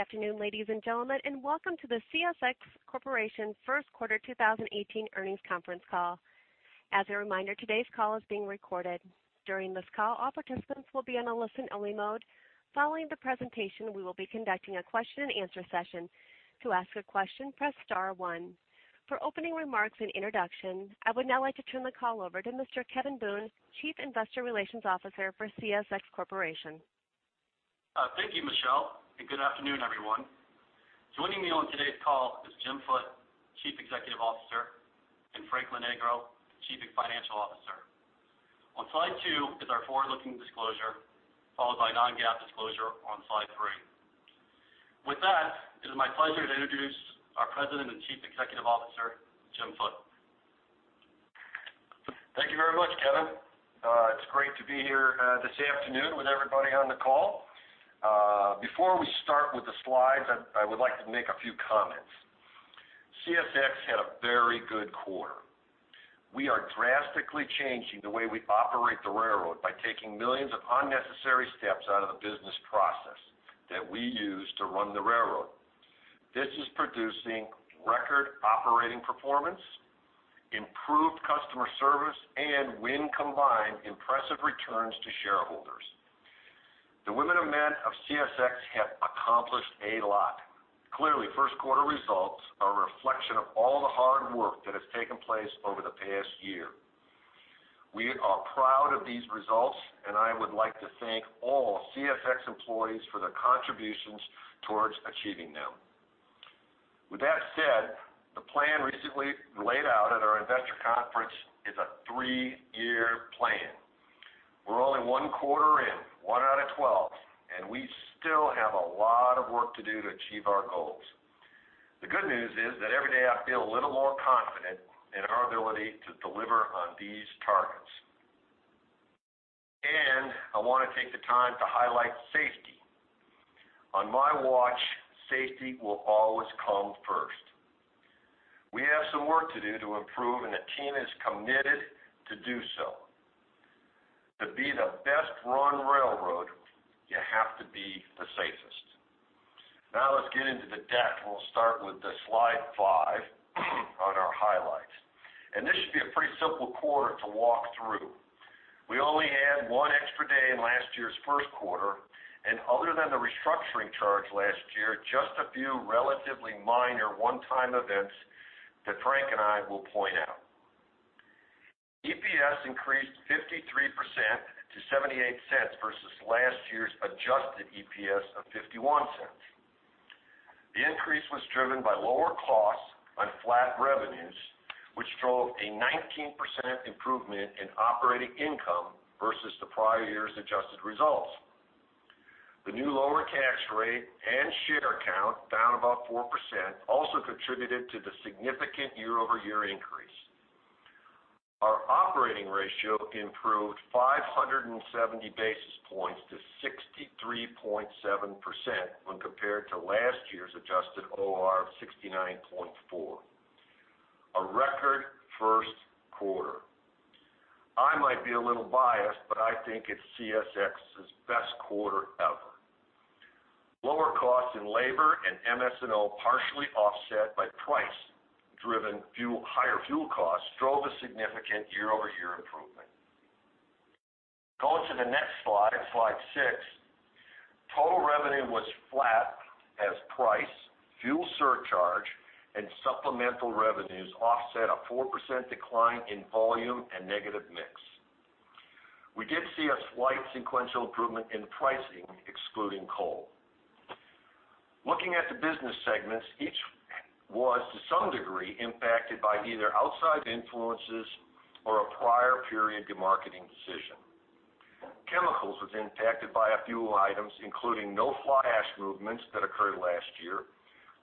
Good afternoon, ladies and gentlemen, welcome to the CSX Corporation First Quarter 2018 Earnings Conference Call. As a reminder, today's call is being recorded. During this call, all participants will be on a listen only mode. Following the presentation, we will be conducting a question and answer session. To ask a question, press star one. For opening remarks and introduction, I would now like to turn the call over to Mr. Kevin Boone, Chief Investor Relations Officer for CSX Corporation. Thank you, Michelle, good afternoon, everyone. Joining me on today's call is Jim Foote, Chief Executive Officer, Frank Lonegro, Chief Financial Officer. On slide two is our forward-looking disclosure, followed by non-GAAP disclosure on slide three. With that, it is my pleasure to introduce our President and Chief Executive Officer, Jim Foote. Thank you very much, Kevin. It's great to be here this afternoon with everybody on the call. Before we start with the slides, I would like to make a few comments. CSX had a very good quarter. We are drastically changing the way we operate the railroad by taking millions of unnecessary steps out of the business process that we use to run the railroad. This is producing record operating performance, improved customer service, when combined, impressive returns to shareholders. The women and men of CSX have accomplished a lot. Clearly, first quarter results are a reflection of all the hard work that has taken place over the past year. We are proud of these results, I would like to thank all CSX employees for their contributions towards achieving them. With that said, the plan recently laid out at our investor conference is a three-year plan. We're only one quarter in, one out of 12, we still have a lot of work to do to achieve our goals. The good news is that every day I feel a little more confident in our ability to deliver on these targets. I want to take the time to highlight safety. On my watch, safety will always come first. We have some work to do to improve, the team is committed to do so. To be the best run railroad, you have to be the safest. Let's get into the deck. We'll start with the slide five on our highlights. This should be a pretty simple quarter to walk through. We only had one extra day in last year's first quarter, other than the restructuring charge last year, just a few relatively minor one-time events that Frank and I will point out. EPS increased 53% to $0.78 versus last year's adjusted EPS of $0.51. The increase was driven by lower costs on flat revenues, which drove a 19% improvement in operating income versus the prior year's adjusted results. The new lower tax rate and share count, down about 4%, also contributed to the significant year-over-year increase. Our operating ratio improved 570 basis points to 63.7% when compared to last year's adjusted OR of 69.4%. A record first quarter. I might be a little biased, but I think it's CSX's best quarter ever. Lower costs in labor and MS&O partially offset by price driven higher fuel costs drove a significant year-over-year improvement. Going to the next slide six, total revenue was flat as price, fuel surcharge, and supplemental revenues offset a 4% decline in volume and negative mix. We did see a slight sequential improvement in pricing, excluding coal. Looking at the business segments, each was to some degree impacted by either outside influences or a prior period de-marketing decision. Chemicals was impacted by a few items, including no fly ash movements that occurred last year,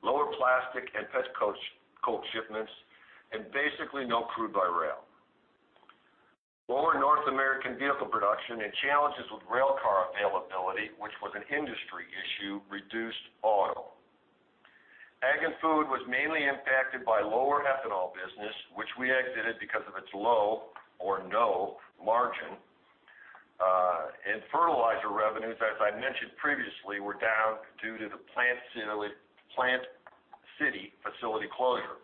lower plastic and pet coke shipments, and basically no crude by rail. Lower North American vehicle production and challenges with railcar availability, which was an industry issue, reduced auto. Ag and food was mainly impacted by lower ethanol business, which we exited because of its low or no margin. Fertilizer revenues, as I mentioned previously, were down due to the Plant City facility closure.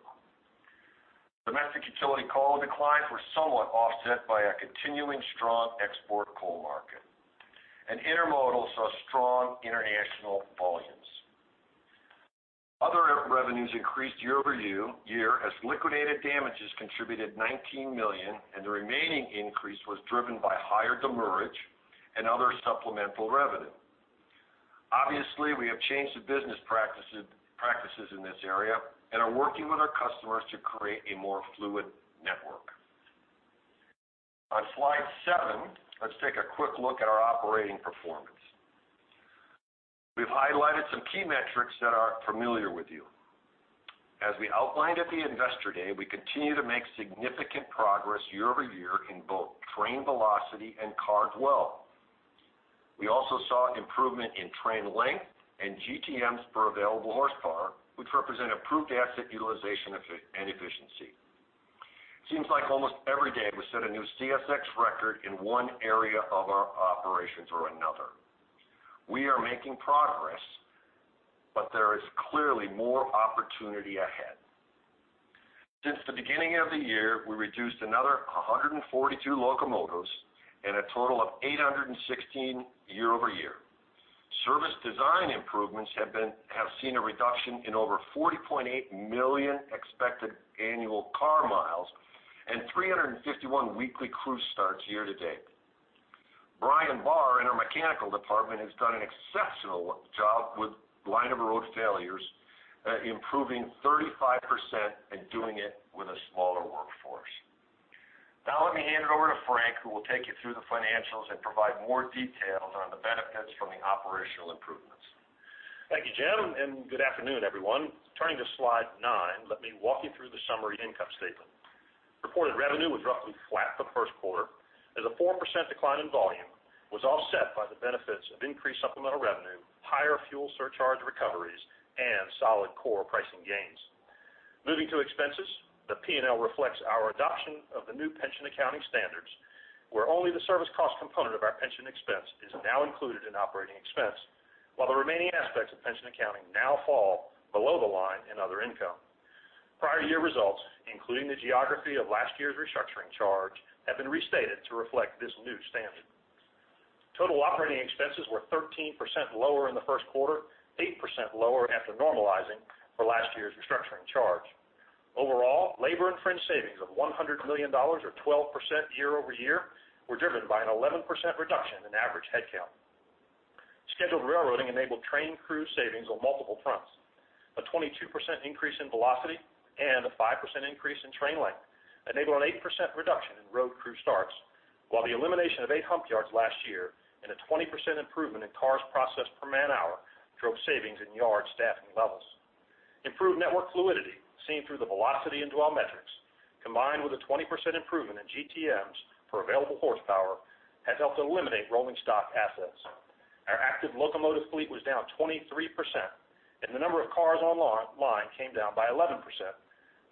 Domestic utility coal declines were somewhat offset by a continuing strong export coal market. Intermodal saw strong international volumes. Other revenues increased year-over-year as liquidated damages contributed $19 million, and the remaining increase was driven by higher demurrage and other supplemental revenue. Obviously, we have changed the business practices in this area and are working with our customers to create a more fluid network. On slide seven, let's take a quick look at our operating performance. We've highlighted some key metrics that are familiar with you. As we outlined at the Investor Day, we continue to make significant progress year-over-year in both train velocity and car dwell. We also saw improvement in train length and GTMs per available horsepower, which represent improved asset utilization and efficiency. It seems like almost every day we set a new CSX record in one area of our operations or another. We are making progress, but there is clearly more opportunity ahead. Since the beginning of the year, we reduced another 142 locomotives and a total of 816 year-over-year. Service design improvements have seen a reduction in over 40.8 million expected annual car miles and 351 weekly crew starts year-to-date. Brian Barr in our mechanical department has done an exceptional job with line of road failures, improving 35% and doing it with a smaller workforce. Now let me hand it over to Frank, who will take you through the financials and provide more details on the benefits from the operational improvements. Thank you, Jim, and good afternoon, everyone. Turning to slide nine, let me walk you through the summary income statement. Reported revenue was roughly flat the first quarter as a 4% decline in volume was offset by the benefits of increased supplemental revenue, higher fuel surcharge recoveries, and solid core pricing gains. Moving to expenses, the P&L reflects our adoption of the new pension accounting standards, where only the service cost component of our pension expense is now included in operating expense, while the remaining aspects of pension accounting now fall below the line in other income. Prior year results, including the geography of last year's restructuring charge, have been restated to reflect this new standard. Total operating expenses were 13% lower in the first quarter, 8% lower after normalizing for last year's restructuring charge. Overall, labor and fringe savings of $100 million or 12% year-over-year were driven by an 11% reduction in average headcount. Scheduled railroading enabled train crew savings on multiple fronts. A 22% increase in velocity and a 5% increase in train length enable an 8% reduction in road crew starts, while the elimination of eight hump yards last year and a 20% improvement in cars processed per manhour drove savings in yard staffing levels. Improved network fluidity, seen through the velocity and dwell metrics, combined with a 20% improvement in GTMs for available horsepower, has helped eliminate rolling stock assets. Our active locomotive fleet was down 23%, and the number of cars online came down by 11%,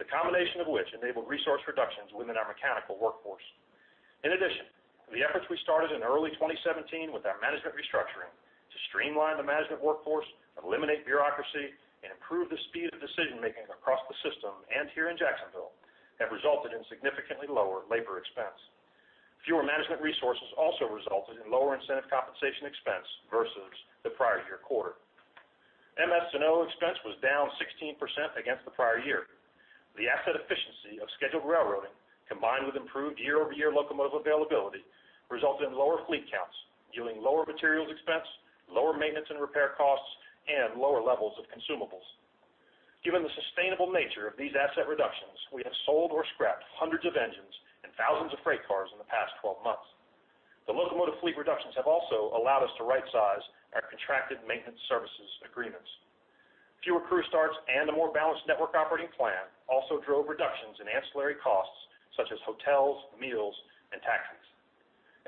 the combination of which enabled resource reductions within our mechanical workforce. In addition, the efforts we started in early 2017 with our management restructuring to streamline the management workforce, eliminate bureaucracy, and improve the speed of decision-making across the system and here in Jacksonville have resulted in significantly lower labor expense. Fewer management resources also resulted in lower incentive compensation expense versus the prior year quarter. MS&O expense was down 16% against the prior year. The asset efficiency of scheduled railroading, combined with improved year-over-year locomotive availability, resulted in lower fleet counts, yielding lower materials expense, lower maintenance and repair costs, and lower levels of consumables. Given the sustainable nature of these asset reductions, we have sold or scrapped hundreds of engines and thousands of freight cars in the past 12 months. The locomotive fleet reductions have also allowed us to rightsize our contracted maintenance services agreements. Fewer crew starts and a more balanced network operating plan also drove reductions in ancillary costs such as hotels, meals, and taxis.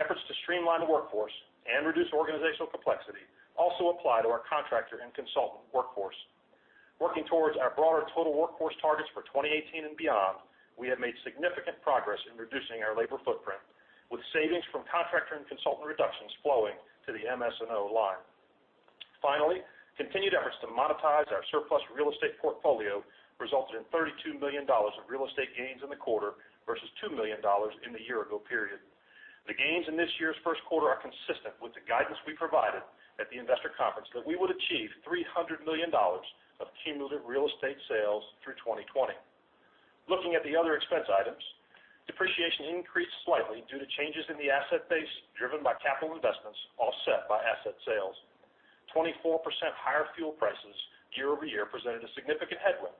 Efforts to streamline the workforce and reduce organizational complexity also apply to our contractor and consultant workforce. Working towards our broader total workforce targets for 2018 and beyond, we have made significant progress in reducing our labor footprint, with savings from contractor and consultant reductions flowing to the MS&O line. Finally, continued efforts to monetize our surplus real estate portfolio resulted in $32 million of real estate gains in the quarter versus $2 million in the year-ago period. The gains in this year's first quarter are consistent with the guidance we provided at the investor conference that we would achieve $300 million of cumulative real estate sales through 2020. Looking at the other expense items, depreciation increased slightly due to changes in the asset base driven by capital investments offset by asset sales. 24% higher fuel prices year-over-year presented a significant headwind.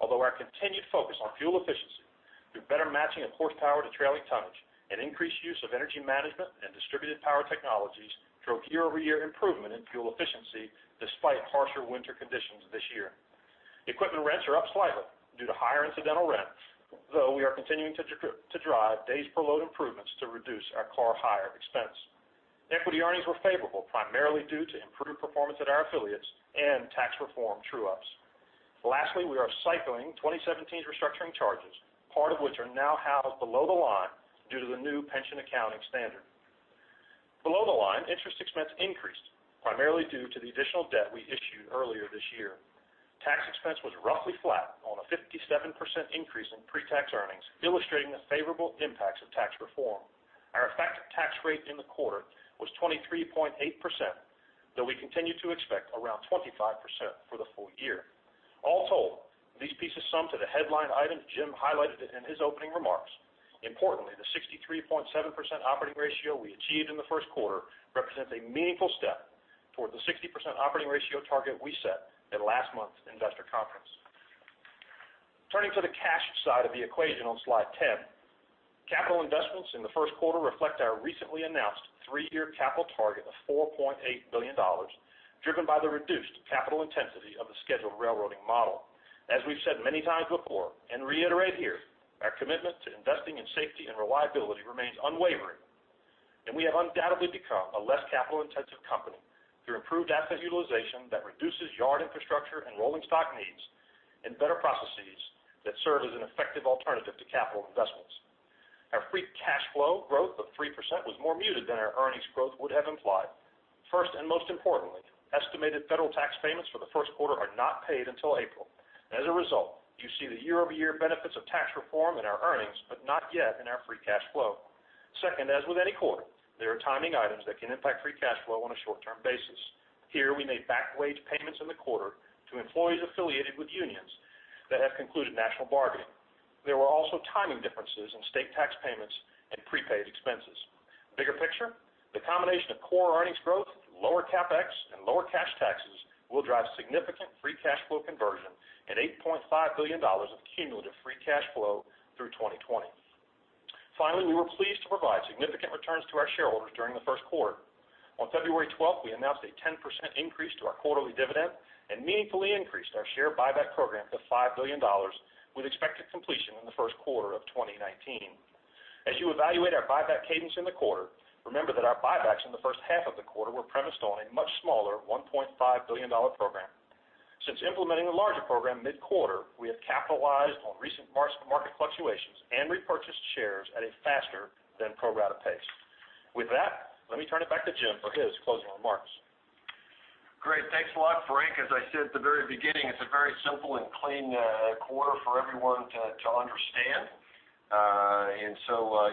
Although our continued focus on fuel efficiency through better matching of horsepower to trailing tonnage and increased use of energy management and distributed power technologies drove year-over-year improvement in fuel efficiency despite harsher winter conditions this year. Equipment rents are up slightly due to higher incidental rents, though we are continuing to drive days per load improvements to reduce our car hire expense. Equity earnings were favorable, primarily due to improved performance at our affiliates and tax reform true-ups. Lastly, we are cycling 2017 restructuring charges, part of which are now housed below the line due to the new pension accounting standard. Below the line, interest expense increased, primarily due to the additional debt we issued earlier this year. Tax expense was roughly flat on a 57% increase in pre-tax earnings, illustrating the favorable impacts of tax reform. Our effective tax rate in the quarter was 23.8%, though we continue to expect around 25% for the full year. All told, these pieces sum to the headline item Jim highlighted in his opening remarks. Importantly, the 63.7% operating ratio we achieved in the first quarter represents a meaningful step toward the 60% operating ratio target we set at last month's investor conference. Turning to the cash side of the equation on slide 10, capital investments in the first quarter reflect our recently announced three-year capital target of $4.8 billion, driven by the reduced capital intensity of the scheduled railroading model. As we've said many times before, and reiterate here, our commitment to investing in safety and reliability remains unwavering. We have undoubtedly become a less capital-intensive company through improved asset utilization that reduces yard infrastructure and rolling stock needs, and better processes that serve as an effective alternative to capital investments. Our free cash flow growth of 3% was more muted than our earnings growth would have implied. First and most importantly, estimated federal tax payments for the first quarter are not paid until April. As a result, you see the year-over-year benefits of tax reform in our earnings, but not yet in our free cash flow. Second, as with any quarter, there are timing items that can impact free cash flow on a short-term basis. Here, we made back wage payments in the quarter to employees affiliated with unions that have concluded national bargaining. There were also timing differences in state tax payments and prepaid expenses. Bigger picture, the combination of core earnings growth, lower CapEx, and lower cash taxes will drive significant free cash flow conversion at $8.5 billion of cumulative free cash flow through 2020. Finally, we were pleased to provide significant returns to our shareholders during the first quarter. On February 12th, we announced a 10% increase to our quarterly dividend and meaningfully increased our share buyback program to $5 billion, with expected completion in the first quarter of 2019. As you evaluate our buyback cadence in the quarter, remember that our buybacks in the first half of the quarter were premised on a much smaller $1.5 billion program. Since implementing the larger program mid-quarter, we have capitalized on recent market fluctuations and repurchased shares at a faster than pro-rata pace. With that, let me turn it back to Jim for his closing remarks. Great. Thanks a lot, Frank. As I said at the very beginning, it's a very simple and clean quarter for everyone to understand.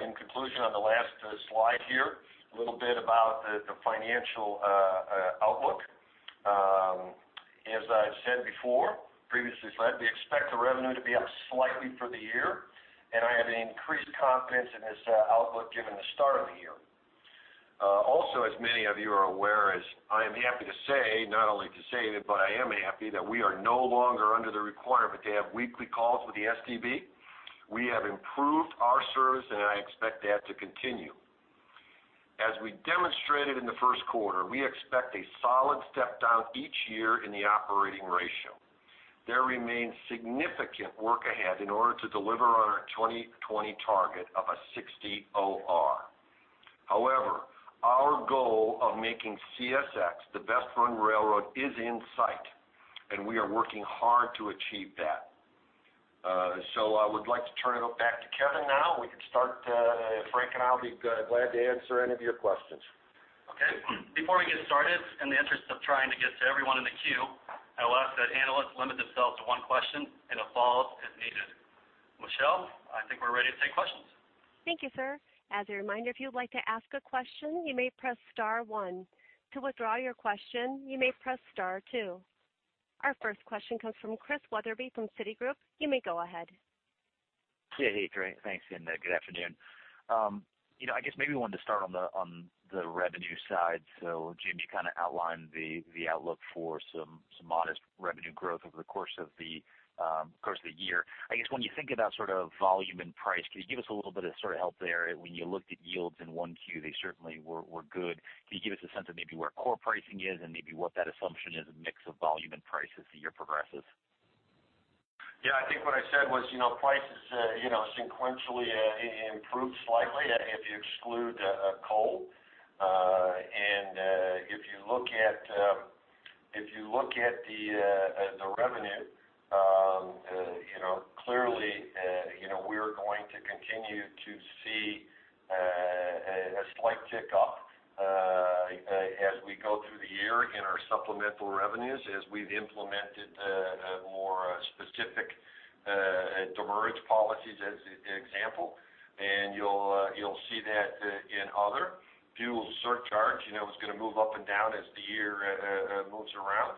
In conclusion, on the last slide here, a little bit about the financial outlook. As I said before, previously slide, we expect the revenue to be up slightly for the year, and I have increased confidence in this outlook given the start of the year. Also, as many of you are aware, as I am happy to say, not only to say it, but I am happy that we are no longer under the requirement to have weekly calls with the STB. We have improved our service, and I expect that to continue. As we demonstrated in the first quarter, we expect a solid step-down each year in the operating ratio. There remains significant work ahead in order to deliver on our 2020 target of a 60 OR. However, our goal of making CSX the best-run railroad is in sight, and we are working hard to achieve that. I would like to turn it back to Kevin now. We can start, Frank and I will be glad to answer any of your questions. Okay. Before we get started, in the interest of trying to get to everyone in the queue, I will ask that analysts limit themselves to one question and a follow-up as needed. Michelle, I think we're ready to take questions. Thank you, sir. As a reminder, if you would like to ask a question, you may press star one. To withdraw your question, you may press star two. Our first question comes from Chris Wetherbee from Citigroup. You may go ahead. Yeah, hey, great. Thanks, and good afternoon. I guess maybe wanted to start on the revenue side. Jim, you kind of outlined the outlook for some modest revenue growth over the course of the year. I guess when you think about volume and price, can you give us a little bit of help there? When you looked at yields in 1Q, they certainly were good. Can you give us a sense of maybe where core pricing is and maybe what that assumption is, a mix of volume and prices as the year progresses? Yeah, I think what I said was prices sequentially improved slightly if you exclude coal. If you look at the revenue, clearly, we are going to continue to see a slight tick up as we go through the year in our supplemental revenues, as we've implemented more specific demurrage policies, as an example. You'll see that in other. Fuel surcharge, it's going to move up and down as the year moves around.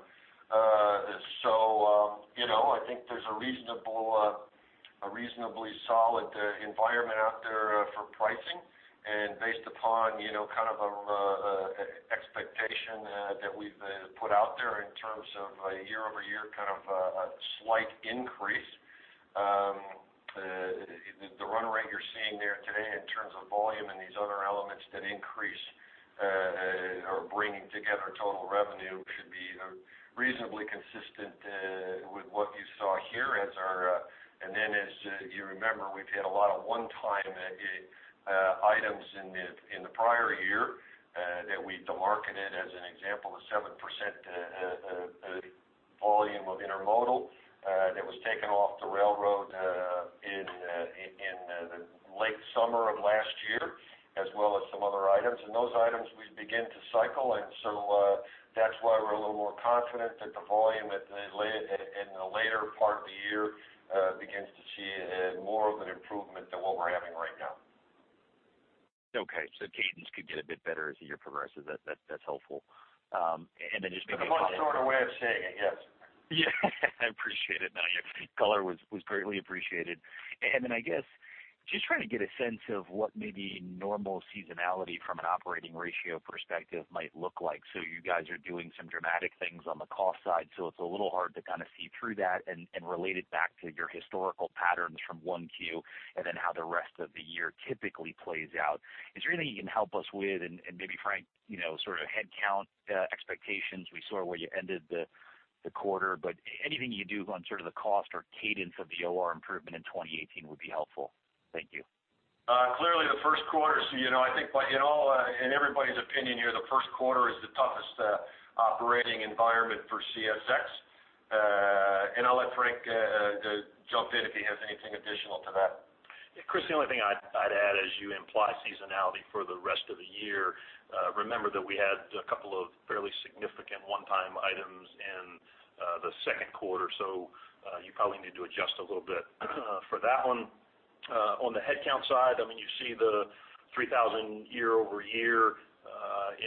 I think there's a reasonably solid environment out there for pricing. Based upon kind of an expectation that we've put out there in terms of a year-over-year slight increase, the run rate you're seeing there today in terms of volume and these other elements that increase or bringing together total revenue should be reasonably consistent with what you saw here. As you remember, we've had a lot of one-time items in the prior year that we demarcated, as an example, the 7% volume of intermodal that was taken off the railroad in the late summer of last year, as well as some other items. Those items we begin to cycle, that's why we're a little more confident that the volume in the later part of the year begins to see more of an improvement than what we're having right now. Okay, cadence could get a bit better as the year progresses. That's helpful. That's one sort of way of saying it, yes. Yeah I appreciate it. No, your color was greatly appreciated. I guess, just trying to get a sense of what maybe normal seasonality from an operating ratio perspective might look like. You guys are doing some dramatic things on the cost side, so it's a little hard to kind of see through that and relate it back to your historical patterns from 1Q and then how the rest of the year typically plays out. Is there anything you can help us with, and maybe Frank, sort of headcount expectations. We saw where you ended the quarter, but anything you do on the cost or cadence of the OR improvement in 2018 would be helpful. Thank you. Clearly, the first quarter, I think in everybody's opinion here, the first quarter is the toughest operating environment for CSX. I'll let Frank jump in if he has anything additional to that. Chris, the only thing I'd add is you imply seasonality for the rest of the year. Remember that we had a couple of fairly significant one-time items in the second quarter, you probably need to adjust a little bit for that one. On the headcount side, you see the 3,000 year-over-year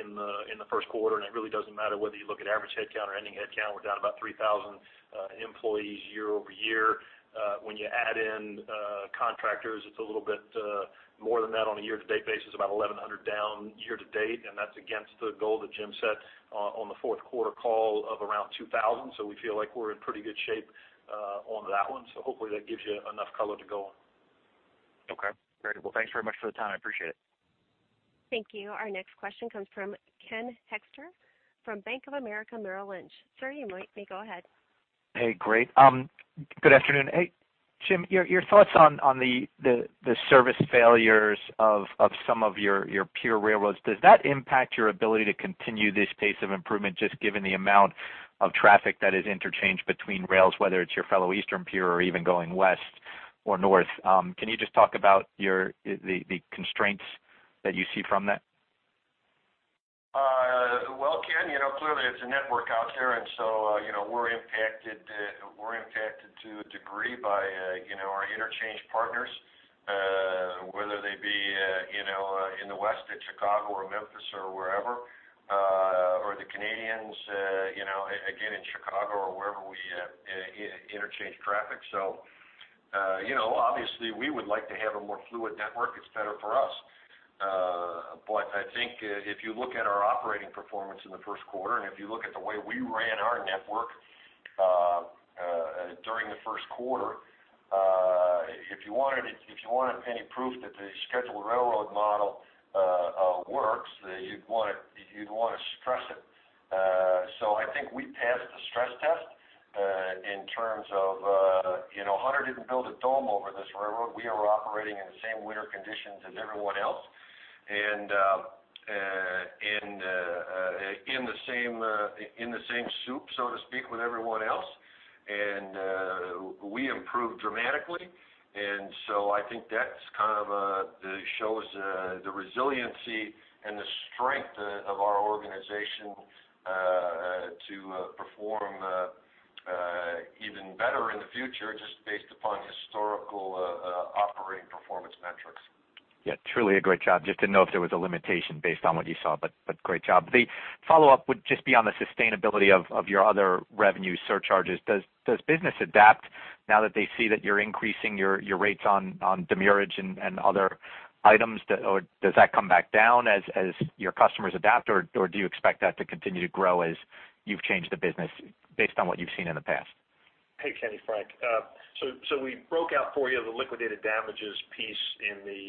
in the first quarter, and it really doesn't matter whether you look at average headcount or ending headcount, we're down about 3,000 employees year-over-year. When you add in contractors, it's a little bit more than that on a year-to-date basis, about 1,100 down year-to-date, and that's against the goal that Jim set on the fourth quarter call of around 2,000. We feel like we're in pretty good shape on that one. Hopefully that gives you enough color to go on. Okay. Very well. Thanks very much for the time. I appreciate it. Thank you. Our next question comes from Ken Hoexter from Bank of America Merrill Lynch. Sir, you may go ahead. Hey, great. Good afternoon. Hey, Jim, your thoughts on the service failures of some of your peer railroads, does that impact your ability to continue this pace of improvement, just given the amount of traffic that is interchanged between rails, whether it's your fellow eastern peer or even going west or north? Can you just talk about the constraints that you see from that? Well, Ken, clearly it's a network out there. We're impacted to a degree by our interchange partners, whether they be in the west at Chicago or Memphis or wherever, or the Canadians, again, in Chicago or wherever we interchange traffic. Obviously, we would like to have a more fluid network. It's better for us. I think if you look at our operating performance in the first quarter, and if you look at the way we ran our network during the first quarter, if you wanted any proof that the scheduled railroad model works, you'd want to stress it. I think we passed the stress test in terms of Hunter didn't build a dome over this railroad. We are operating in the same winter conditions as everyone else, and in the same soup, so to speak, with everyone else. We improved dramatically, I think that shows the resiliency and the strength of our organization to perform even better in the future, just based upon historical operating performance metrics. Yeah, truly a great job. Just didn't know if there was a limitation based on what you saw, but great job. The follow-up would just be on the sustainability of your other revenue surcharges. Does business adapt now that they see that you're increasing your rates on demurrage and other items, or does that come back down as your customers adapt, or do you expect that to continue to grow as you've changed the business based on what you've seen in the past? Hey, Kenny, Frank. We broke out for you the liquidated damages piece in the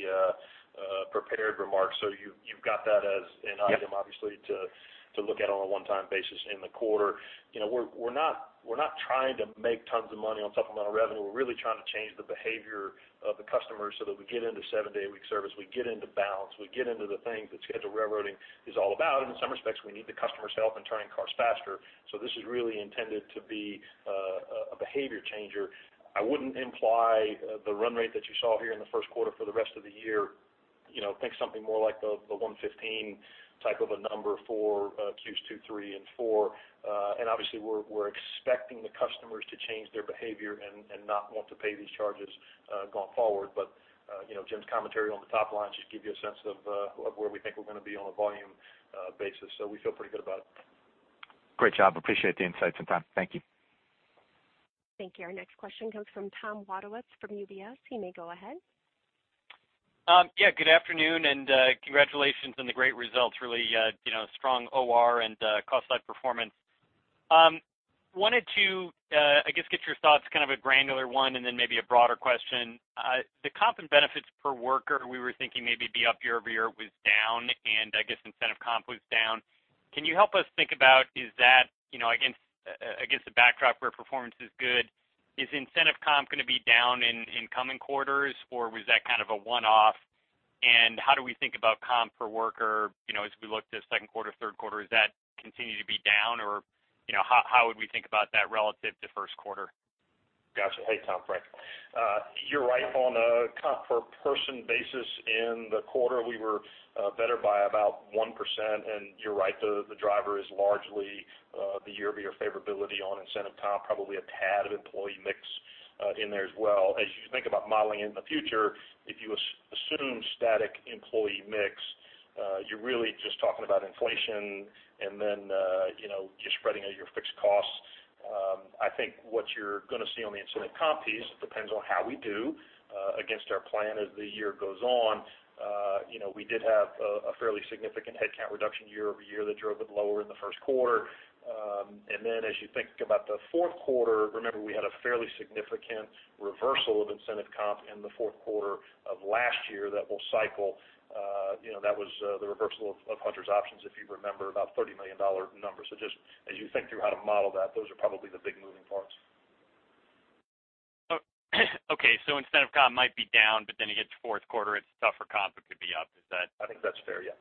prepared remarks, you've got that as an item, obviously, to look at on a one-time basis in the quarter. We're not trying to make tons of money on supplemental revenue. We're really trying to change the behavior of the customers so that we get into seven-day-a-week service, we get into balance, we get into the things that scheduled railroading is all about. In some respects, we need the customers' help in turning cars faster. This is really intended to be a behavior changer. I wouldn't imply the run rate that you saw here in the first quarter for the rest of the year. Think something more like the 115 type of a number for Q2, 3, and 4. Obviously, we're expecting the customers to change their behavior and not want to pay these charges going forward. Jim's commentary on the top line should give you a sense of where we think we're going to be on a volume basis. We feel pretty good about it. Great job. Appreciate the insights and time. Thank you. Thank you. Our next question comes from Tom Wadewitz from UBS. He may go ahead. Good afternoon, congratulations on the great results, really strong OR and cost performance. Wanted to, I guess, get your thoughts, kind of a granular one and then maybe a broader question. The comp and benefits per worker, we were thinking maybe be up year-over-year, was down, I guess incentive comp was down. Can you help us think about, against the backdrop where performance is good, is incentive comp going to be down in coming quarters, or was that kind of a one-off? How do we think about comp per worker as we look to second quarter, third quarter? Does that continue to be down, or how would we think about that relative to first quarter? Got you. Hey, Tom, Frank. You're right on a comp per person basis in the quarter, we were better by about 1%, and you're right, the driver is largely the year-over-year favorability on incentive comp, probably a tad of employee mix in there as well. You think about modeling into the future, if you assume static employee mix, you're really just talking about inflation and then just spreading out your fixed costs. I think what you're going to see on the incentive comp piece depends on how we do against our plan as the year goes on. We did have a fairly significant headcount reduction year-over-year that drove it lower in the first quarter. As you think about the fourth quarter, remember, we had a fairly significant reversal of incentive comp in the fourth quarter of last year that will cycle. That was the reversal of Hunter's options, if you remember, about $30 million number. Just as you think through how to model that, those are probably the big moving parts. Okay. Instead of comp might be down, you hit fourth quarter, it's tougher comp, it could be up. Is that- I think that's fair, yeah.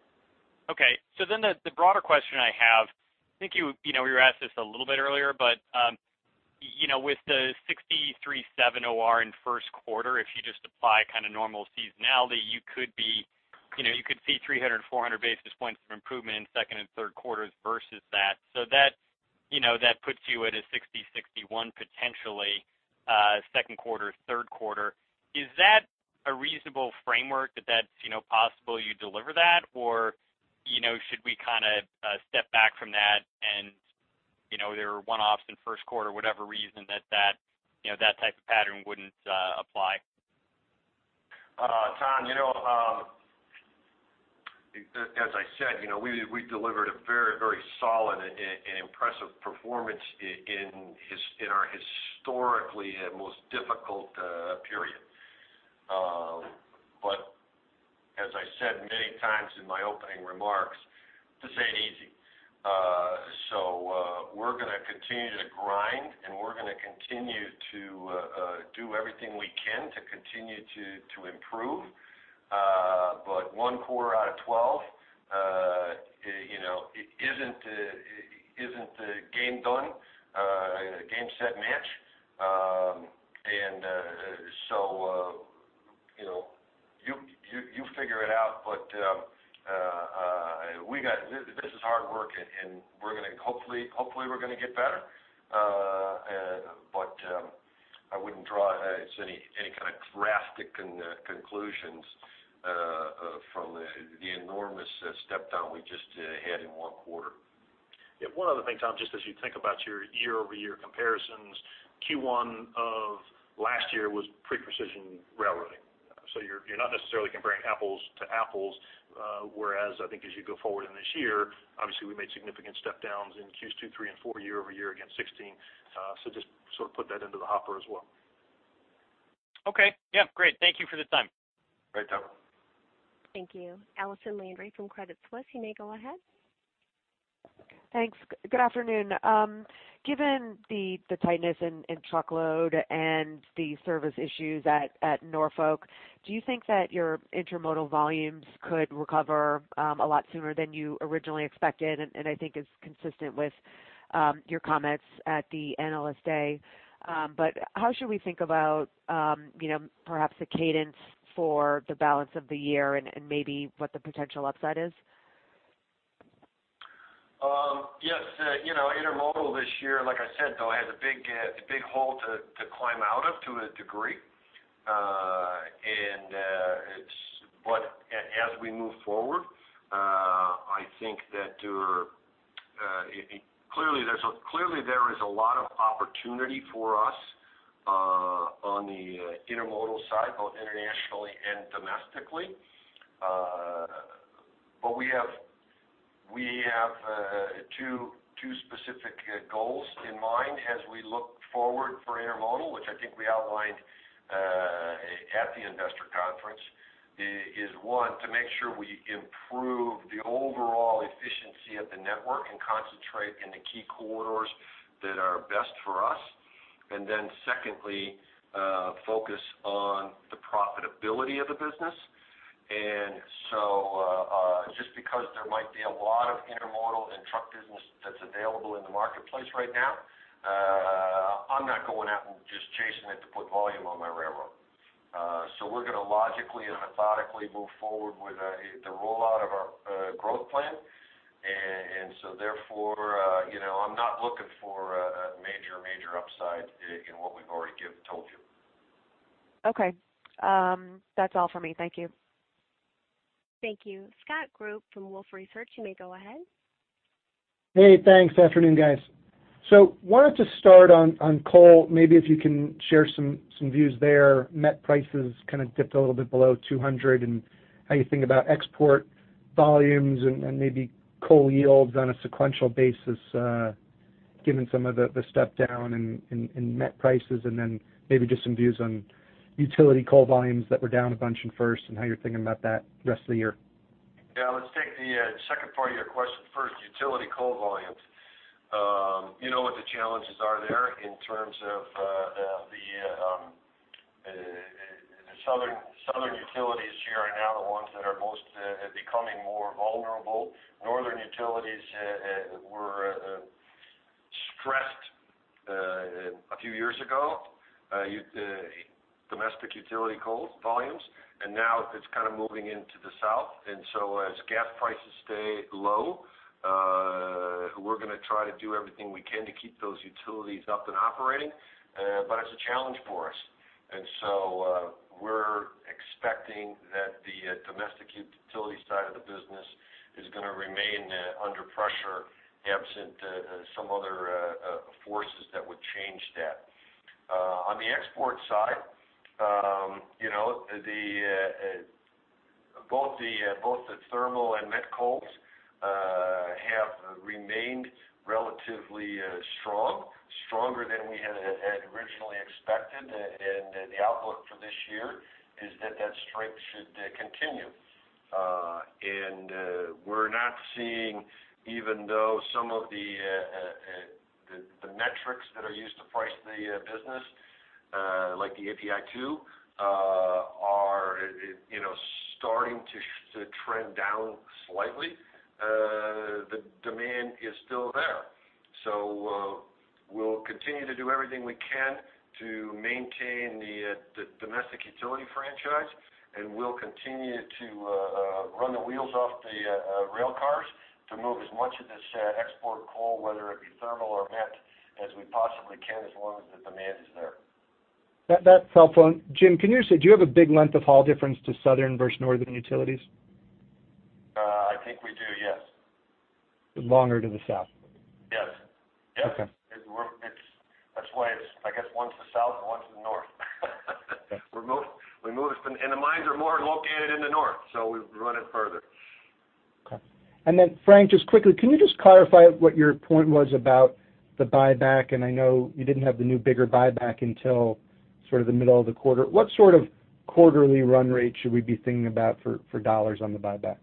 The broader question I have, I think you were asked this a little bit earlier, but with the 63.7% OR in first quarter, if you just apply normal seasonality, you could see 300, 400 basis points of improvement in second and third quarters versus that. That puts you at a 60%, 61% potentially, second quarter, third quarter. Is that a reasonable framework that that's possible you deliver that? Should we step back from that and there were one-offs in first quarter, whatever reason that type of pattern wouldn't apply? Tom, as I said, we delivered a very solid and impressive performance in our historically most difficult period. As I said many times in my opening remarks, this ain't easy. We're going to continue to grind, and we're going to continue to do everything we can to continue to improve. One quarter out of 12 isn't the game done, game, set, match. You figure it out, this is hard work and hopefully we're going to get better. I wouldn't draw any kind of drastic conclusions from the enormous step down we just had in one quarter. One other thing, Tom, just as you think about your year-over-year comparisons, Q1 of last year was pre-precision railroading. You're not necessarily comparing apples to apples, whereas I think as you go forward in this year, obviously we made significant step downs in Q2, three and four year-over-year against 2016. Just sort of put that into the hopper as well. Great. Thank you for the time. Great, Tom. Thank you. Allison Landry from Credit Suisse, you may go ahead. Thanks. Good afternoon. Given the tightness in truckload and the service issues at Norfolk, do you think that your intermodal volumes could recover a lot sooner than you originally expected, and I think is consistent with your comments at the Analyst Day. How should we think about perhaps the cadence for the balance of the year and maybe what the potential upside is? Yes, intermodal this year, like I said, though, has a big hole to climb out of to a degree. As we move forward, I think that clearly there is a lot of opportunity for us on the intermodal side, both internationally and domestically. We have two specific goals in mind as we look forward for intermodal, which I think we outlined at the investor conference, is one, to make sure we improve the overall efficiency of the network and concentrate in the key corridors that are best for us. Secondly, focus on the profitability of the business. Just because there might be a lot of intermodal and truck business that's available in the marketplace right now, I'm not going out and just chasing it to put volume on my railroad. We're going to logically and methodically move forward with the rollout of our growth plan. Therefore I'm not looking for a major upside in what we've already told you. Okay. That's all for me. Thank you. Thank you. Scott Group from Wolfe Research, you may go ahead. Hey, thanks. Afternoon, guys. Wanted to start on coal, maybe if you can share some views there. Met prices dipped a little bit below $200 and how you think about export volumes and maybe coal yields on a sequential basis given some of the step down in met prices and then maybe just some views on utility coal volumes that were down a bunch in first and how you're thinking about that the rest of the year. Yeah, let's take the second part of your question first, utility coal volumes. You know what the challenges are there in terms of the southern utilities here are now the ones that are becoming more vulnerable. Northern utilities were stressed a few years ago, domestic utility coal volumes, and now it's moving into the South. As gas prices stay low, we're going to try to do everything we can to keep those utilities up and operating. It's a challenge for us. We're expecting that the domestic utility side of the business is going to remain under pressure absent some other forces that would change that. On the export side, both the thermal and met coals have remained relatively strong, stronger than we had originally expected, and the outlook for this year is that that strength should continue. We're not seeing, even though some of the metrics that are used to price the business, like the API2, are starting to trend down slightly, the demand is still there. We'll continue to do everything we can to maintain the domestic utility franchise, and we'll continue to run the wheels off the rail cars to move as much of this export coal, whether it be thermal or met, as we possibly can, as long as the demand is there. That cell phone. Jim, do you have a big length of haul difference to southern versus northern utilities? I think we do, yes. Longer to the south. Yes. Okay. The mines are more located in the north, so we run it further. Okay. Frank, just quickly, can you just clarify what your point was about the buyback? I know you didn't have the new, bigger buyback until sort of the middle of the quarter. What sort of quarterly run rate should we be thinking about for dollars on the buyback?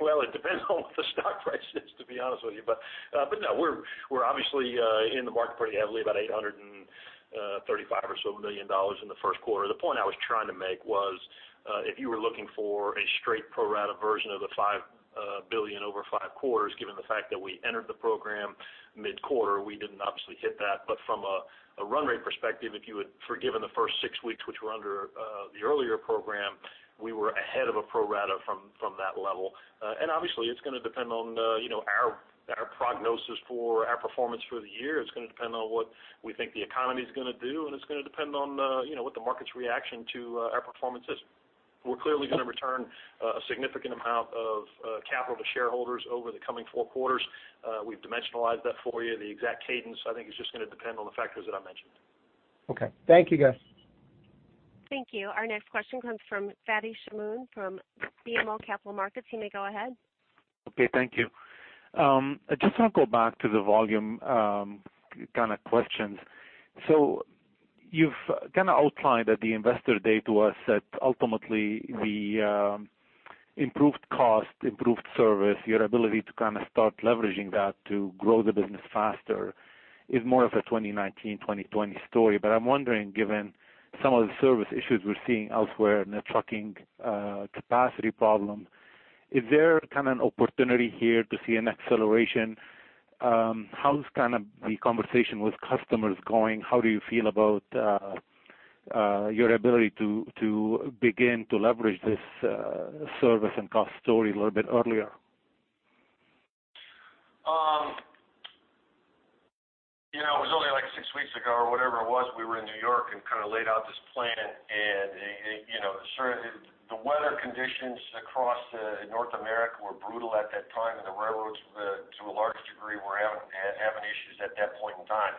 Well, it depends on what the stock price is, to be honest with you. No, we're obviously in the market pretty heavily, about $835 or so million in the first quarter. The point I was trying to make was, if you were looking for a straight pro rata version of the $5 billion over five quarters, given the fact that we entered the program mid-quarter, we didn't obviously hit that. From a run rate perspective, if you had forgiven the first six weeks, which were under the earlier program, we were ahead of a pro rata from that level. Obviously, it's going to depend on our prognosis for our performance for the year. It's going to depend on what we think the economy's going to do, and it's going to depend on what the market's reaction to our performance is. We're clearly going to return a significant amount of capital to shareholders over the coming four quarters. We've dimensionalized that for you. The exact cadence, I think, is just going to depend on the factors that I mentioned. Okay. Thank you, guys. Thank you. Our next question comes from Fadi Chamoun from BMO Capital Markets. You may go ahead. Okay. Thank you. I just want to go back to the volume kind of questions. You've outlined at the Investor Day to us that ultimately the improved cost, improved service, your ability to start leveraging that to grow the business faster is more of a 2019, 2020 story. I'm wondering, given some of the service issues we're seeing elsewhere and the trucking capacity problem, is there an opportunity here to see an acceleration? How is the conversation with customers going? How do you feel about your ability to begin to leverage this service and cost story a little bit earlier? It was only six weeks ago, or whatever it was, we were in New York and laid out this plan. The weather conditions across North America were brutal at that time, and the railroads, to a large degree, were having issues at that point in time.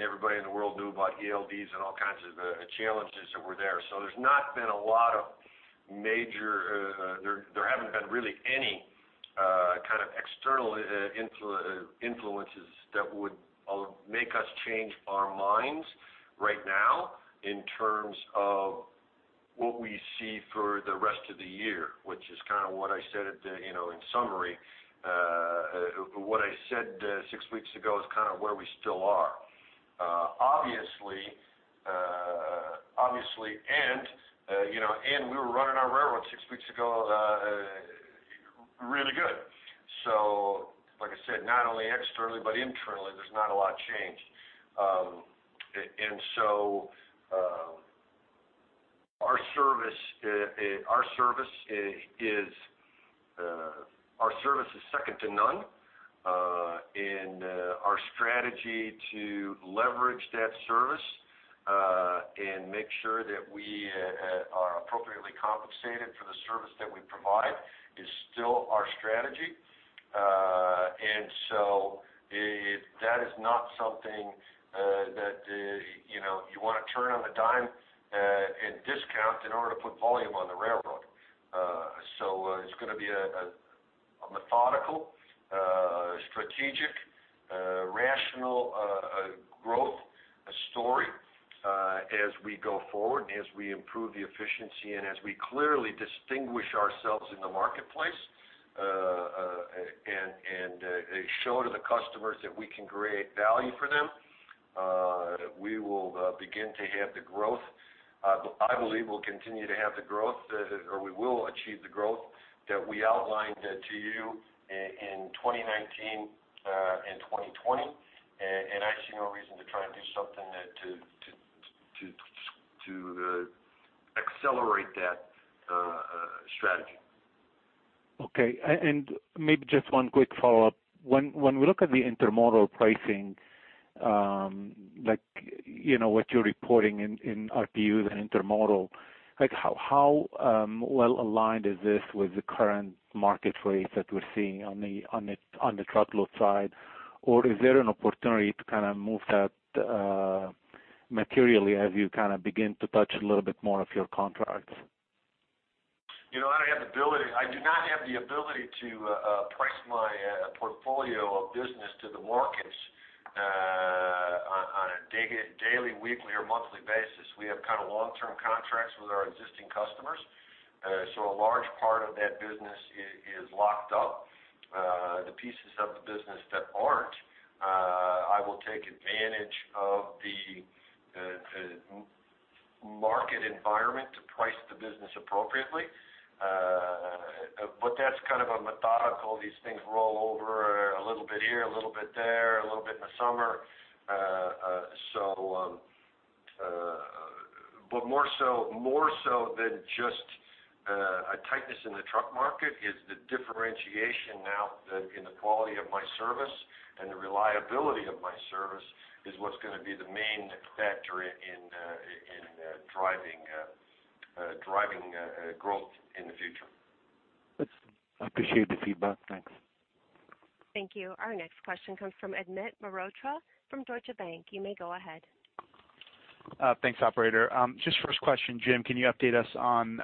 Everybody in the world knew about ELDs and all kinds of challenges that were there. There haven't been really any kind of external influences that would make us change our minds right now in terms of what we see for the rest of the year, which is what I said in summary. What I said six weeks ago is kind of where we still are. Obviously, we were running our railroads six weeks ago really good. Like I said, not only externally, but internally, there's not a lot changed. Our service is second to none, and our strategy to leverage that service, and make sure that we are appropriately compensated for the service that we provide is still our strategy. That is not something that you want to turn on a dime and discount in order to put volume on the railroad. It's going to be a methodical, strategic, rational growth story as we go forward and as we improve the efficiency and as we clearly distinguish ourselves in the marketplace, and show to the customers that we can create value for them. We will begin to have the growth. I believe we will continue to have the growth, or we will achieve the growth that we outlined to you in 2019 and 2020. I see no reason to try and do something to accelerate that strategy. Okay. Maybe just one quick follow-up. When we look at the intermodal pricing, what you're reporting in RPUs and intermodal, how well aligned is this with the current market rates that we're seeing on the truckload side? Is there an opportunity to move that materially as you begin to touch a little bit more of your contracts? I do not have the ability to price my portfolio of business to the markets on a daily, weekly, or monthly basis. We have long-term contracts with our existing customers, a large part of that business is locked up. The pieces of the business that aren't, I will take advantage of the market environment to price the business appropriately. That's kind of a methodical, these things roll over a little bit here, a little bit there, a little bit in the summer. More so than just a tightness in the truck market is the differentiation now that in the quality of my service and the reliability of my service is what's going to be the main factor in driving growth in the future. I appreciate the feedback. Thanks. Thank you. Our next question comes from Amit Mehrotra from Deutsche Bank. You may go ahead. Thanks, operator. Just first question, Jim, can you update us on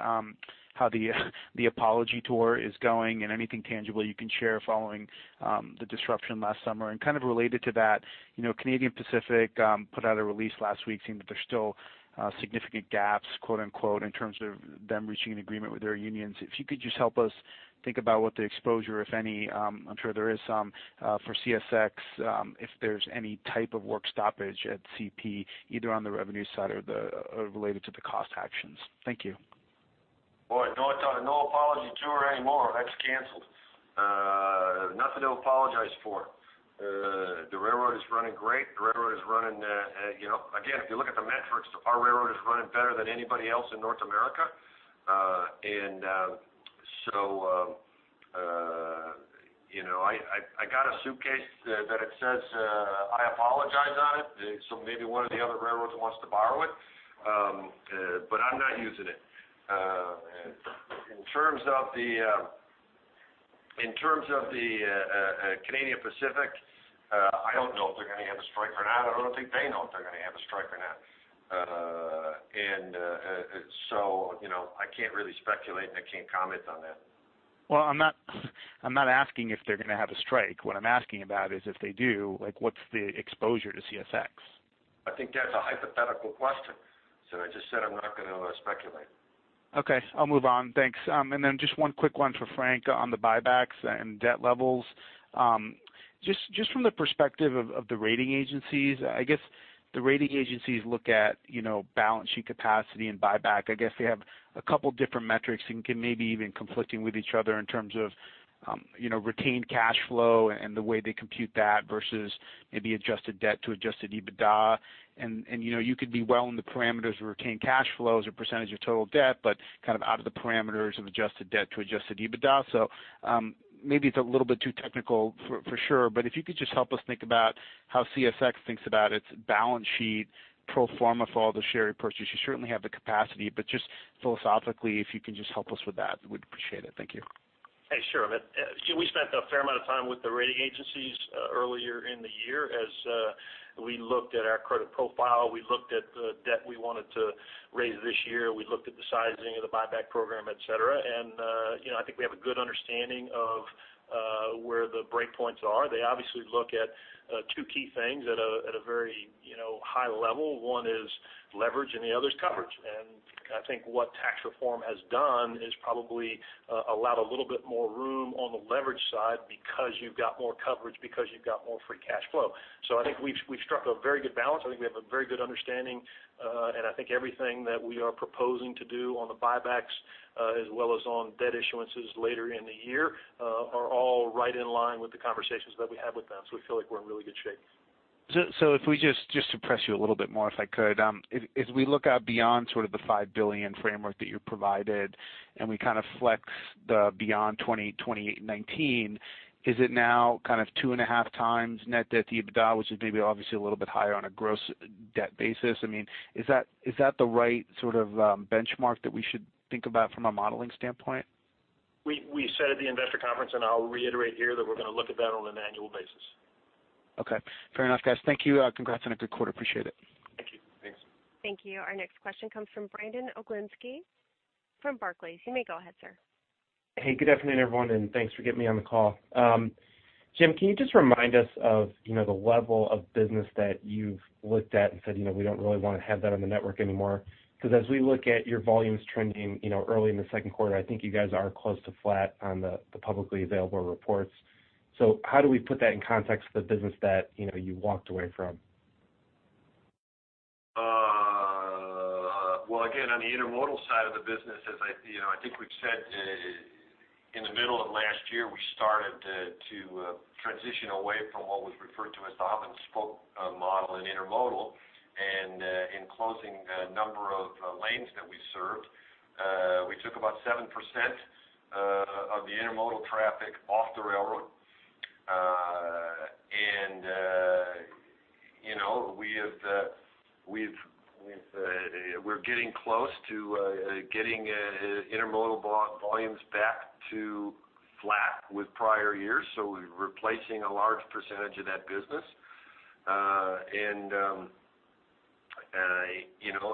how the apology tour is going and anything tangible you can share following the disruption last summer? Kind of related to that, Canadian Pacific put out a release last week saying that there's still significant gaps, quote-unquote, in terms of them reaching an agreement with their unions. If you could just help us think about what the exposure, if any, I'm sure there is some, for CSX, if there's any type of work stoppage at CP, either on the revenue side or related to the cost actions. Thank you. Boy, no apology tour anymore. That's canceled. Nothing to apologize for. The railroad is running great. Again, if you look at the metrics, our railroad is running better than anybody else in North America. I got a suitcase that says, "I apologize" on it, so maybe one of the other railroads wants to borrow it, I'm not using it. In terms of the Canadian Pacific, I don't know if they're going to have a strike or not. I don't think they know if they're going to have a strike or not. I can't really speculate, and I can't comment on that. Well, I'm not asking if they're going to have a strike. What I'm asking about is if they do, what's the exposure to CSX? I think that's a hypothetical question, so I just said I'm not going to speculate. Okay. I'll move on. Thanks. Just one quick one for Frank on the buybacks and debt levels. Just from the perspective of the rating agencies, I guess the rating agencies look at balance sheet capacity and buyback. I guess they have a couple different metrics and can maybe even conflicting with each other in terms of retained cash flow and the way they compute that versus maybe adjusted debt to adjusted EBITDA. You could be well in the parameters of retained cash flows or percentage of total debt, but out of the parameters of adjusted debt to adjusted EBITDA. Maybe it's a little bit too technical for sure, but if you could just help us think about how CSX thinks about its balance sheet pro forma for all the share purchases. You certainly have the capacity, but just philosophically, if you can just help us with that, we'd appreciate it. Thank you. Hey, sure, Amit. We spent a fair amount of time with the rating agencies earlier in the year as we looked at our credit profile, we looked at the debt we wanted to raise this year, we looked at the sizing of the buyback program, et cetera. I think we have a good understanding of where the breakpoints are. They obviously look at two key things at a very high level. One is leverage and the other is coverage. I think what tax reform has done is probably allowed a little bit more room on the leverage side because you've got more coverage, because you've got more free cash flow. I think we've struck a very good balance. I think we have a very good understanding, I think everything that we are proposing to do on the buybacks, as well as on debt issuances later in the year, are all right in line with the conversations that we had with them. We feel like we're in really good shape. If we just to press you a little bit more, if I could. As we look out beyond sort of the $5 billion framework that you provided and we kind of flex the beyond 2019, is it now kind of two and a half times net debt to EBITDA, which is maybe obviously a little bit higher on a gross debt basis? Is that the right sort of benchmark that we should think about from a modeling standpoint? We said at the investor conference, I'll reiterate here, that we're going to look at that on an annual basis. Okay. Fair enough, guys. Thank you. Congrats on a good quarter. Appreciate it. Thank you. Thanks. Thank you. Our next question comes from Brandon Oglenski from Barclays. You may go ahead, sir. Hey, good afternoon, everyone, and thanks for getting me on the call. Jim, can you just remind us of the level of business that you've looked at and said, we don't really want to have that on the network anymore? As we look at your volumes trending early in the second quarter, I think you guys are close to flat on the publicly available reports. How do we put that in context of the business that you walked away from? Well, again, on the intermodal side of the business, as I think we've said, in the middle of last year, we started to transition away from what was referred to as the hub and spoke model in intermodal. In closing a number of lanes that we served, we took about 7% of the intermodal traffic off the railroad. We're getting close to getting intermodal volumes back to flat with prior years, so we're replacing a large percentage of that business.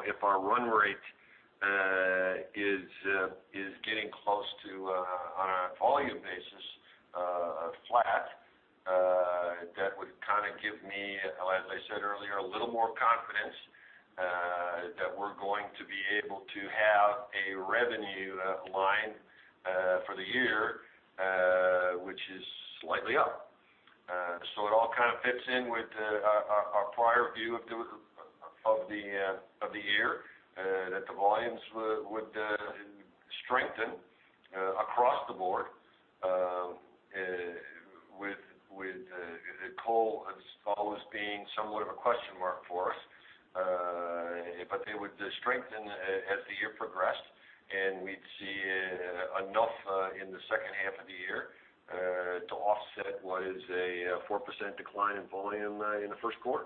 If our run rate is getting close to, on a volume basis, flat, that would give me, as I said earlier, a little more confidence that we're going to be able to have a revenue line for the year, which is slightly up. It all fits in with our prior view of the year, that the volumes would strengthen across the board, with coal as always being somewhat of a question mark for us. They would strengthen as the year progressed, and we'd see enough in the second half of the year, to offset what is a 4% decline in volume in the first quarter.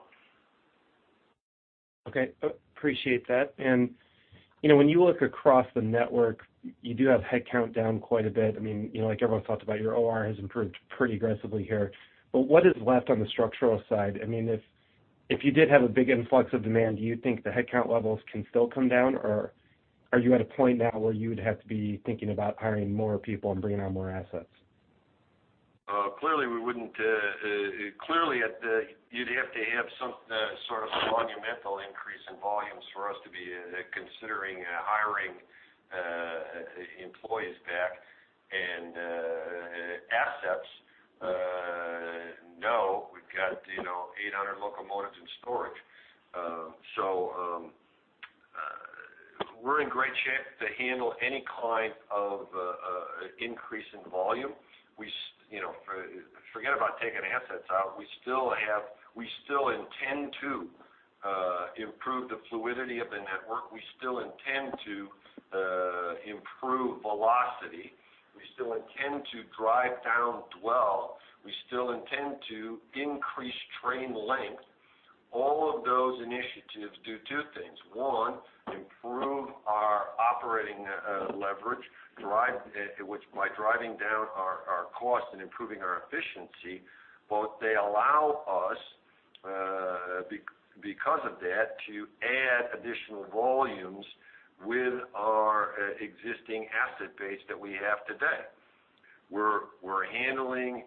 Okay. Appreciate that. When you look across the network, you do have headcount down quite a bit. Like everyone's talked about, your OR has improved pretty aggressively here. What is left on the structural side? If you did have a big influx of demand, do you think the headcount levels can still come down, or are you at a point now where you would have to be thinking about hiring more people and bringing on more assets? Clearly, you'd have to have some sort of monumental increase in volumes for us to be considering hiring employees back and assets. No, we've got 800 locomotives in storage. We're in great shape to handle any kind of increase in volume. Forget about taking assets out, we still intend to improve the fluidity of the network. We still intend to improve velocity. We still intend to drive down dwell. We still intend to increase train length. All of those initiatives do two things. One, improve our operating leverage, by driving down our costs and improving our efficiency, but they allow us, because of that, to add additional volumes with our existing asset base that we have today. We're handling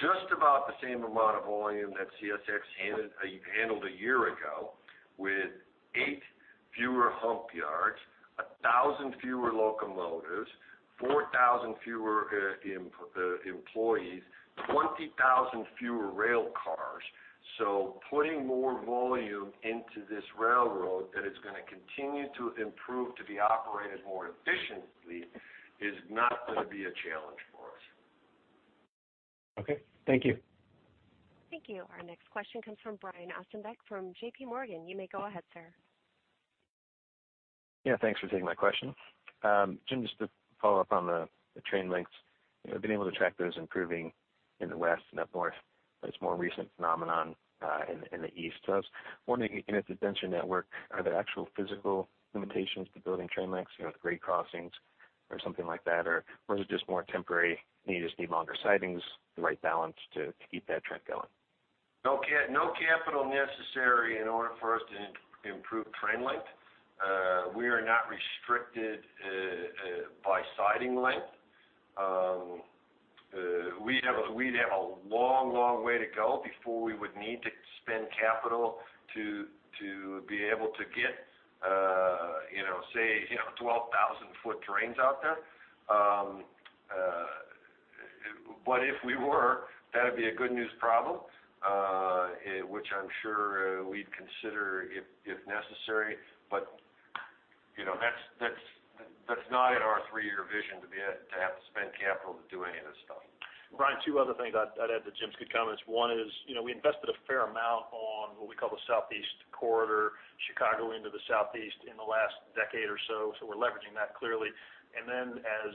just about the same amount of volume that CSX handled a year ago with eight fewer hump yards, 1,000 fewer locomotives, 4,000 fewer employees, 20,000 fewer rail cars. Putting more volume into this railroad, that it's going to continue to improve to be operated more efficiently, is not going to be a challenge for us. Okay. Thank you. Thank you. Our next question comes from Brian Ossenbeck from JP Morgan. You may go ahead, sir. Yeah, thanks for taking my question. Jim, just to follow up on the train lengths. We've been able to track those improving in the West and up North, but it's more recent phenomenon in the East. I was wondering, in a potential network, are there actual physical limitations to building train lengths, with grade crossings or something like that? Or is it just more temporary, and you just need longer sidings, the right balance to keep that trend going? No capital necessary in order for us to improve train length. We are not restricted by siding length. We'd have a long, long way to go before we would need to spend capital to be able to get, say, 12,000 foot trains out there. If we were, that'd be a good news problem, which I'm sure we'd consider if necessary. That's not in our three-year vision to have to spend capital to do any of this stuff. Brian, two other things I'd add to Jim's good comments. One is, we invested a fair amount on what we call the Southeast Corridor, Chicago into the Southeast, in the last decade or so. We're leveraging that clearly. As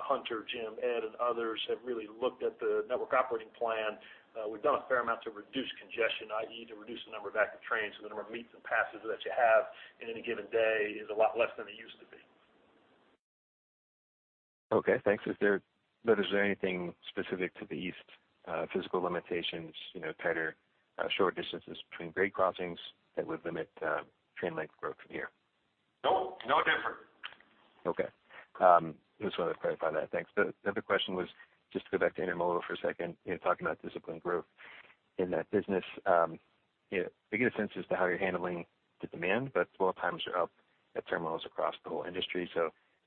Hunter, Jim, Ed, and others have really looked at the network operating plan, we've done a fair amount to reduce congestion, i.e., to reduce the number of active trains. The number of meets and passes that you have in any given day is a lot less than it used to be. Okay, thanks. Is there anything specific to the East, physical limitations, tighter short distances between grade crossings that would limit train length growth in the year? No. No different. Okay. Just wanted to clarify that. Thanks. The other question was just to go back to intermodal for a second, talking about disciplined growth in that business. We get a sense as to how you're handling the demand, but dwell times are up at terminals across the whole industry.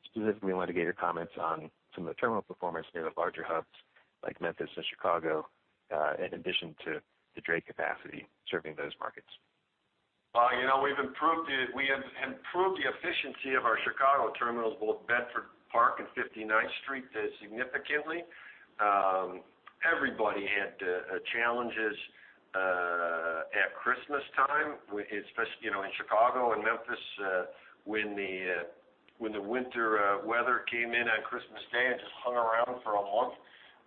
Specifically wanted to get your comments on some of the terminal performance near the larger hubs like Memphis and Chicago, in addition to the dray capacity serving those markets. We have improved the efficiency of our Chicago terminals, both Bedford Park and 59th Street, significantly. Everybody had challenges at Christmas time, in Chicago and Memphis, when the winter weather came in on Christmas Day and just hung around for a month.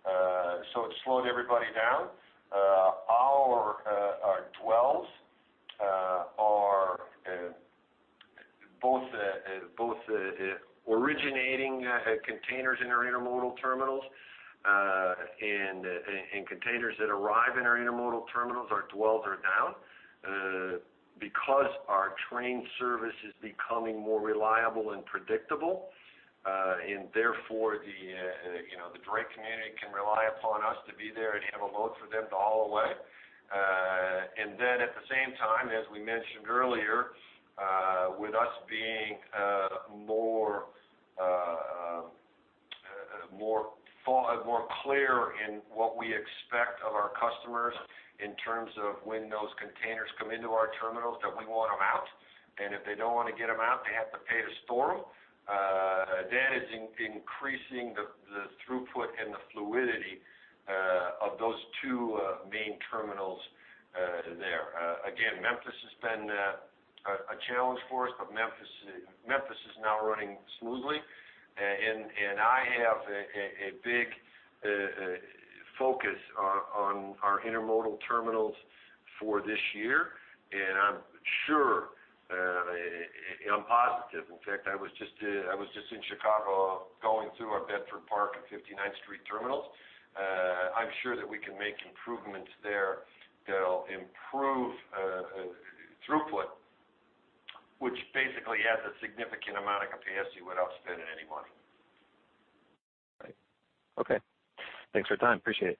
It slowed everybody down. Our dwells on Originating containers in our intermodal terminals, and containers that arrive in our intermodal terminals, our dwells are down because our train service is becoming more reliable and predictable. Therefore, the dray community can rely upon us to be there and have a load for them to haul away. Then at the same time, as we mentioned earlier, with us being more clear in what we expect of our customers in terms of when those containers come into our terminals, that we want them out. If they don't want to get them out, they have to pay to store them. That is increasing the throughput and the fluidity of those two main terminals there. Again, Memphis has been a challenge for us, but Memphis is now running smoothly, I have a big focus on our intermodal terminals for this year, I'm positive. In fact, I was just in Chicago going through our Bedford Park and 59th Street terminals. I'm sure that we can make improvements there that'll improve throughput, which basically adds a significant amount of capacity without spending any money. Right. Okay. Thanks for your time. Appreciate it.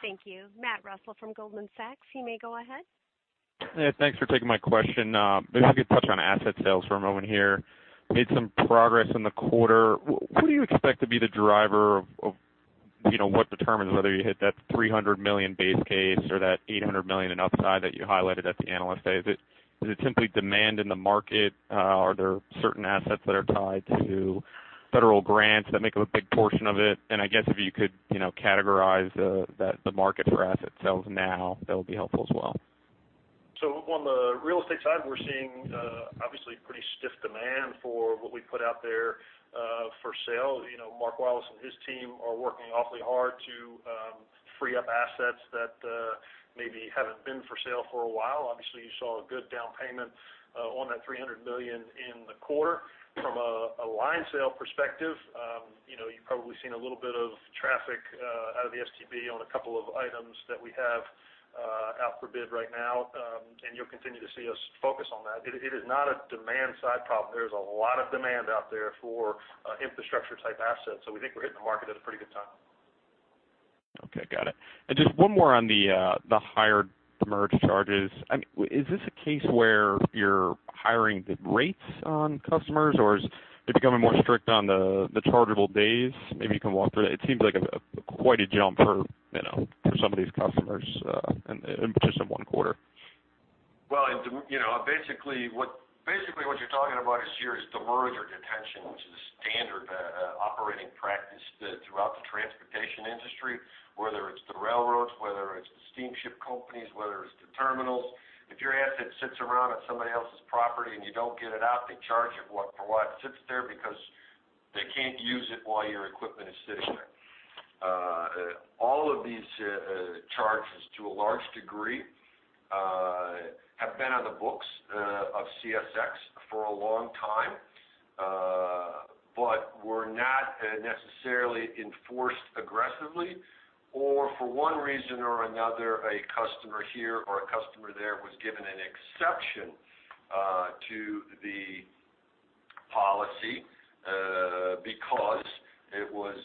Thank you. Matt Reustle from Goldman Sachs, you may go ahead. Yeah, thanks for taking my question. Maybe I could touch on asset sales for a moment here. Made some progress in the quarter. What do you expect to be the driver of what determines whether you hit that $300 million base case or that $800 million in upside that you highlighted at the Analyst Day? Is it simply demand in the market? Are there certain assets that are tied to federal grants that make up a big portion of it? I guess if you could categorize the market for asset sales now, that would be helpful as well. On the real estate side, we're seeing, obviously, pretty stiff demand for what we put out there for sale. Mark Wallace and his team are working awfully hard to free up assets that maybe haven't been for sale for a while. Obviously, you saw a good down payment on that $300 million in the quarter. From a line sale perspective, you've probably seen a little bit of traffic out of the STB on a couple of items that we have out for bid right now, you'll continue to see us focus on that. It is not a demand side problem. There is a lot of demand out there for infrastructure type assets. We think we're hitting the market at a pretty good time. Okay, got it. Just one more on the higher demurrage charges. Is this a case where you're hiring the rates on customers, or is it becoming more strict on the chargeable days? Maybe you can walk through that. It seems like quite a jump for some of these customers in just one quarter. Well, basically what you're talking about here is demurrage or detention, which is a standard operating practice throughout the transportation industry, whether it's the railroads, whether it's the steamship companies, whether it's the terminals. If your asset sits around on somebody else's property and you don't get it out, they charge you for what sits there because they can't use it while your equipment is sitting there. All of these charges, to a large degree, have been on the books of CSX for a long time, but were not necessarily enforced aggressively, or for one reason or another, a customer here or a customer there was given an exception to the policy because it was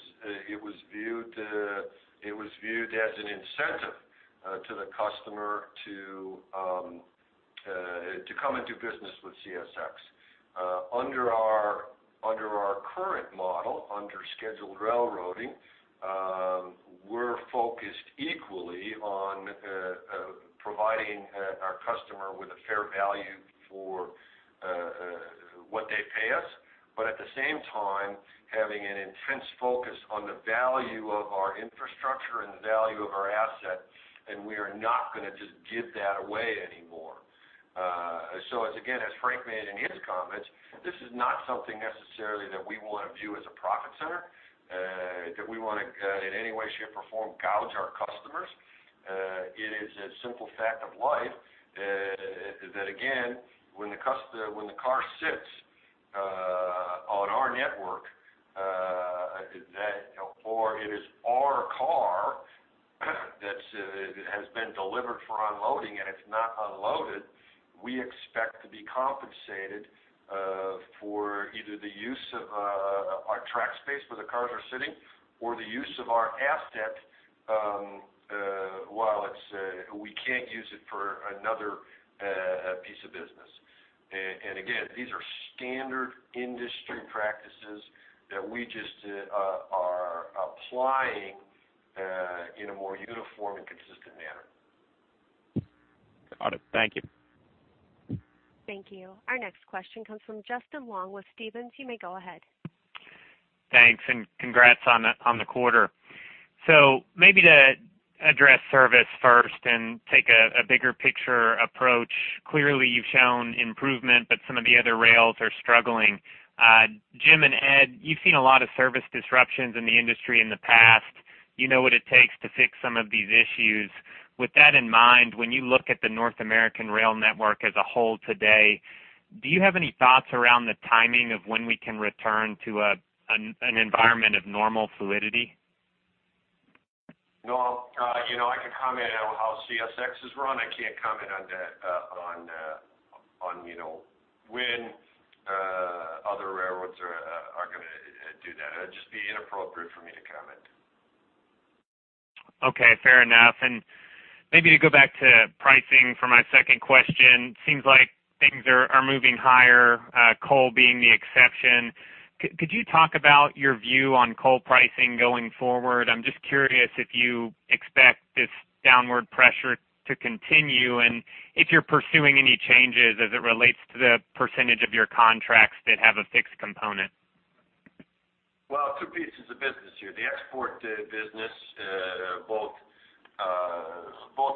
viewed as an incentive to the customer to come and do business with CSX. Under our current model, under scheduled railroading, we're focused equally on providing our customer with a fair value for what they pay us, but at the same time, having an intense focus on the value of our infrastructure and the value of our asset, and we are not going to just give that away anymore. Again, as Frank mentioned in his comments, this is not something necessarily that we want to view as a profit center, that we want to, in any way, shape, or form, gouge our customers. It is a simple fact of life that, again, when the car sits on our network, or it is our car that has been delivered for unloading and it's not unloaded, we expect to be compensated for either the use of our track space where the cars are sitting or the use of our asset while we can't use it for another piece of business. Again, these are standard industry practices that we just are applying in a more uniform and consistent manner. Got it. Thank you. Thank you. Our next question comes from Justin Long with Stephens. You may go ahead. Thanks. Congrats on the quarter. Maybe to address service first and take a bigger picture approach. Clearly, you've shown improvement, but some of the other rails are struggling. Jim and Ed, you've seen a lot of service disruptions in the industry in the past. You know what it takes to fix some of these issues. With that in mind, when you look at the North American rail network as a whole today, do you have any thoughts around the timing of when we can return to an environment of normal fluidity? No. I can comment on how CSX is run. I can't comment on when other railroads are going to do that. That'd just be inappropriate for me to comment. Okay, fair enough. Maybe to go back to pricing for my second question, seems like things are moving higher, coal being the exception. Could you talk about your view on coal pricing going forward? I'm just curious if you expect this downward pressure to continue, and if you're pursuing any changes as it relates to the percentage of your contracts that have a fixed component. Well, two pieces of business here. The export business, both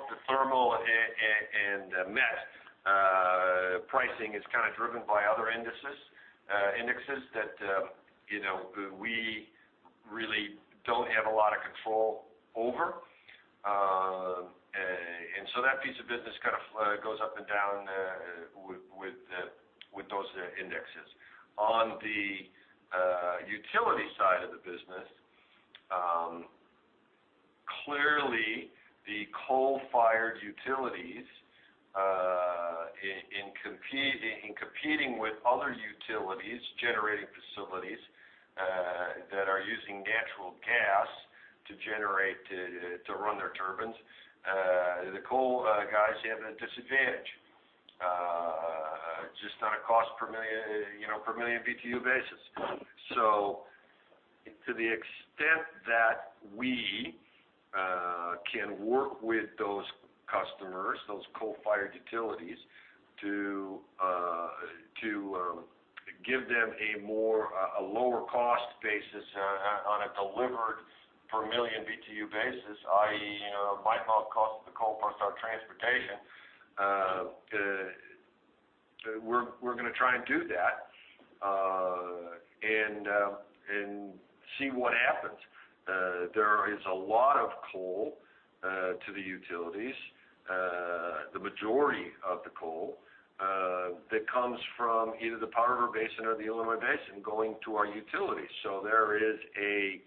the thermal and the pet coke pricing is kind of driven by other indices that we really don't have a lot of control over. That piece of business kind of goes up and down with those indexes. On the utility side of the business, clearly the coal-fired utilities, in competing with other utilities, generating facilities, that are using natural gas to generate, to run their turbines, the coal guys have a disadvantage, just on a cost per million BTU basis. To the extent that we can work with those customers, those coal-fired utilities, to give them a lower cost basis on a delivered per million BTU basis, i.e., mine mouth cost of the coal plus our transportation, we're going to try and do that, and see what happens. There is a lot of coal to the utilities. The majority of the coal that comes from either the Powder River Basin or the Illinois Basin going to our utilities. There is a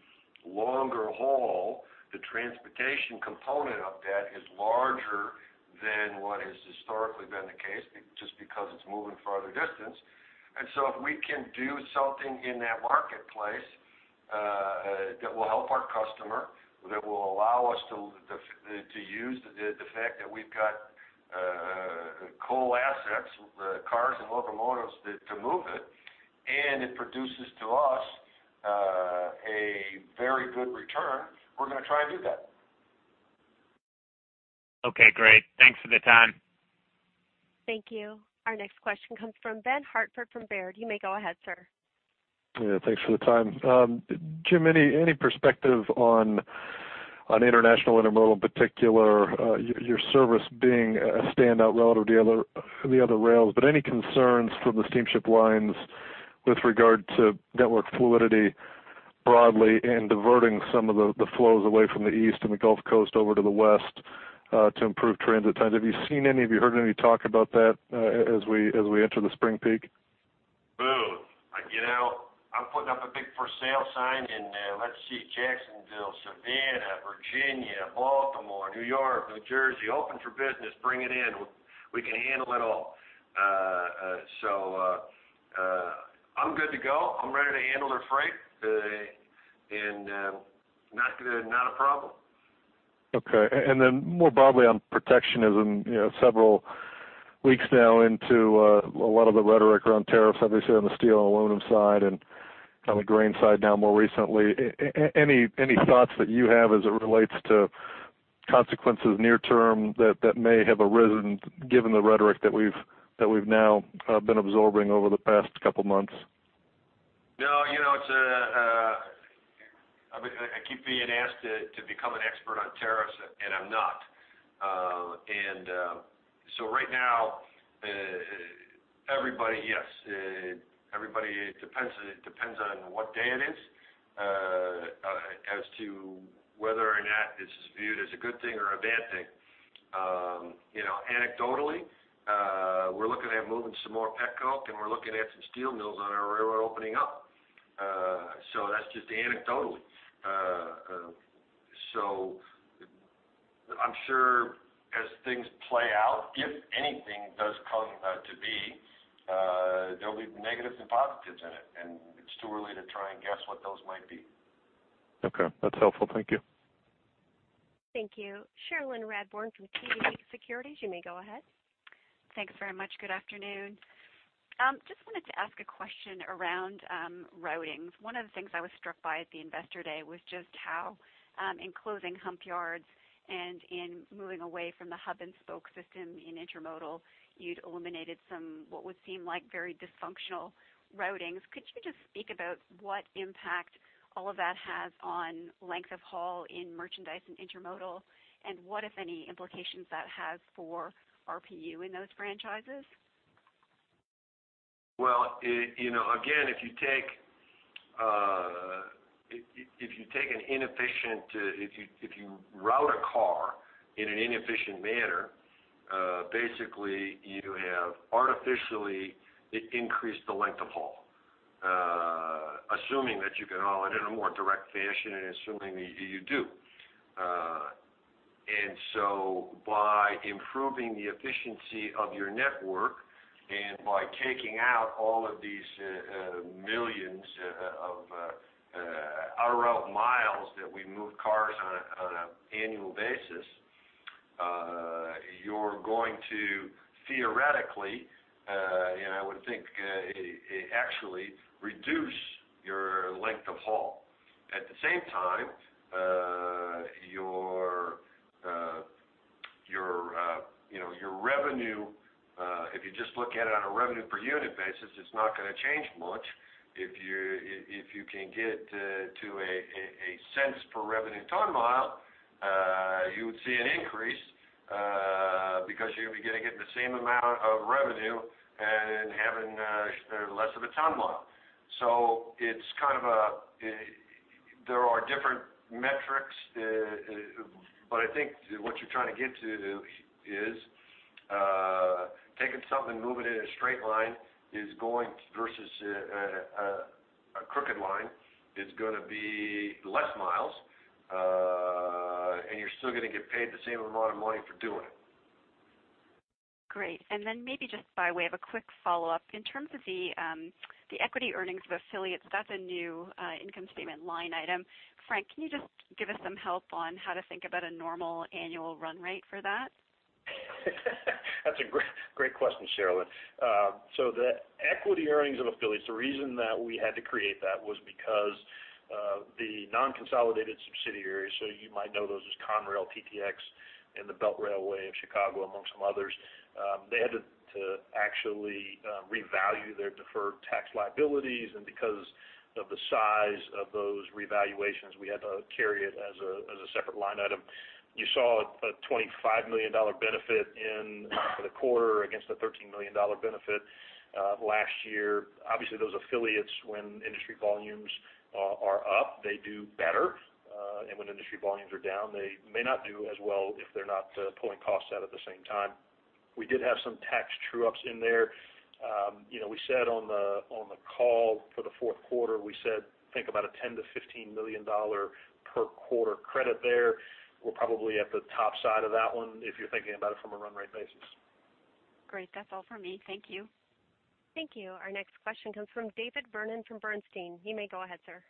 longer haul, the transportation component of that is larger than what has historically been the case, just because it's moving farther distance. If we can do something in that marketplace that will help our customer, that will allow us to use the fact that we've got coal assets, the cars and locomotives to move it, and it produces to us a very good return, we're going to try and do that. Okay, great. Thanks for the time. Thank you. Our next question comes from Ben Hartford from Baird. You may go ahead, sir. Yeah, thanks for the time. Jim, any perspective on international intermodal particular, your service being a standout relative to the other rails, but any concerns from the steamship lines with regard to network fluidity broadly and diverting some of the flows away from the east and the Gulf Coast over to the west, to improve transit times? Have you heard any talk about that as we enter the spring peak? Boom. I'm putting up a big for sale sign in, let's see, Jacksonville, Savannah, Virginia, Baltimore, New York, New Jersey. Open for business. Bring it in. We can handle it all. I'm good to go. I'm ready to handle their freight. Not a problem. Okay. Then more broadly on protectionism, several weeks now into a lot of the rhetoric around tariffs, obviously on the steel and aluminum side and on the grain side now more recently. Any thoughts that you have as it relates to consequences near term that may have arisen given the rhetoric that we've now been absorbing over the past couple of months? No. I keep being asked to become an expert on tariffs, and I'm not. Right now, everybody, yes. Everybody, it depends on what day it is, as to whether or not this is viewed as a good thing or a bad thing. Anecdotally, we're looking at moving some more petcoke and we're looking at some steel mills on our railroad opening up. That's just anecdotally. I'm sure as things play out, if anything does come to be, there'll be negatives and positives in it, and it's too early to try and guess what those might be. Okay. That's helpful. Thank you. Thank you. Cherilyn Radbourne from TD Securities. You may go ahead. Thanks very much. Good afternoon. Just wanted to ask a question around routings. One of the things I was struck by at the Investor Day was just how in closing hump yards and in moving away from the hub and spoke system in intermodal, you'd eliminated some, what would seem like very dysfunctional routings. Could you just speak about what impact all of that has on length of haul in merchandise and intermodal, and what, if any, implications that has for RPU in those franchises? Well, again, if you route a car in an inefficient manner, basically you have artificially increased the length of haul, assuming that you can haul it in a more direct fashion and assuming that you do. By improving the efficiency of your network and by taking out all of these millions of out route miles that we move cars on an annual basis, you're going to theoretically, and I would think actually, reduce your length of haul. At the same time, your revenue, if you just look at it on a revenue per unit basis, it's not going to change much. If you can get to a $0.01 per revenue ton mile, you would see an increase, because you're going to get the same amount of revenue and having less of a ton mile. There are different metrics, but I think what you're trying to get to is, taking something and moving it in a straight line versus a crooked line is going to be less miles, and you're still going to get paid the same amount of money for doing it. Great. Maybe just by way of a quick follow-up, in terms of the equity earnings of affiliates, that's a new income statement line item. Frank, can you just give us some help on how to think about a normal annual run rate for that? That's a great question, Cherilyn. The equity earnings of affiliates, the reason that we had to create that was because of the non-consolidated subsidiaries, you might know those as Conrail, TTX, and the Belt Railway of Chicago, amongst some others. They had to actually revalue their deferred tax liabilities, and because of the size of those revaluations, we had to carry it as a separate line item. You saw a $25 million benefit in the quarter against a $13 million benefit last year. Obviously, those affiliates, when industry volumes are up, they do better. When industry volumes are down, they may not do as well if they're not pulling costs out at the same time. We did have some tax true-ups in there. We said on the call for the fourth quarter, we said, think about a $10 million-$15 million per quarter credit there. We're probably at the top side of that one, if you're thinking about it from a run rate basis. Great. That's all for me. Thank you. Thank you. Our next question comes from David Vernon from Bernstein. You may go ahead, sir.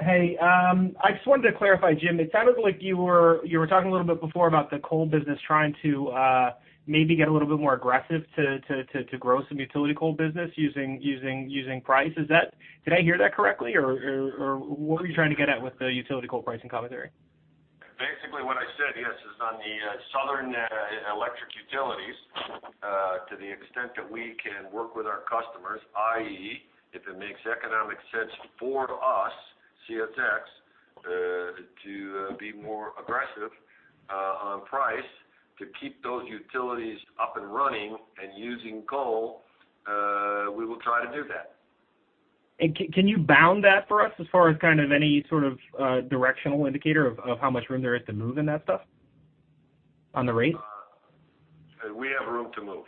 Hey, I just wanted to clarify, Jim, it sounded like you were talking a little bit before about the coal business trying to maybe get a little bit more aggressive to grow some utility coal business using price. Did I hear that correctly, or what were you trying to get at with the utility coal pricing commentary? Basically what I said, yes, is on the southern electric utilities, to the extent that we can work with our customers, i.e., if it makes economic sense for us, CSX, to be more aggressive on price to keep those utilities up and running and using coal, we will try to do that. Can you bound that for us as far as any sort of directional indicator of how much room there is to move in that stuff, on the rate? We have room to move.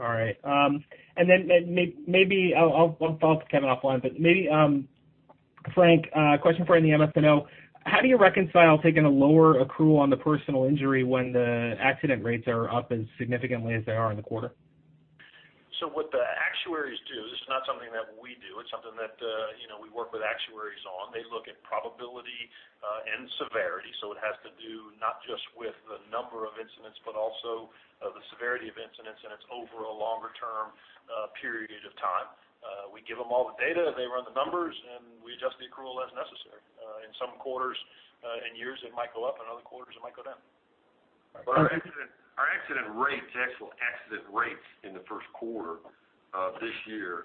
All right. Maybe, I'll follow up with Kevin offline, but maybe, Frank, question for you on the MS&O. How do you reconcile taking a lower accrual on the personal injury when the accident rates are up as significantly as they are in the quarter? What the actuaries do, this is not something that we do, it's something that we work with actuaries on. They look at probability and severity. It has to do not just with the number of incidents, but also the severity of incidents, and it's over a longer term period of time. We give them all the data, they run the numbers, and we adjust the accrual as necessary. In some quarters and years, it might go up, and other quarters it might go down. Our accident rates, actual accident rates in the first quarter of this year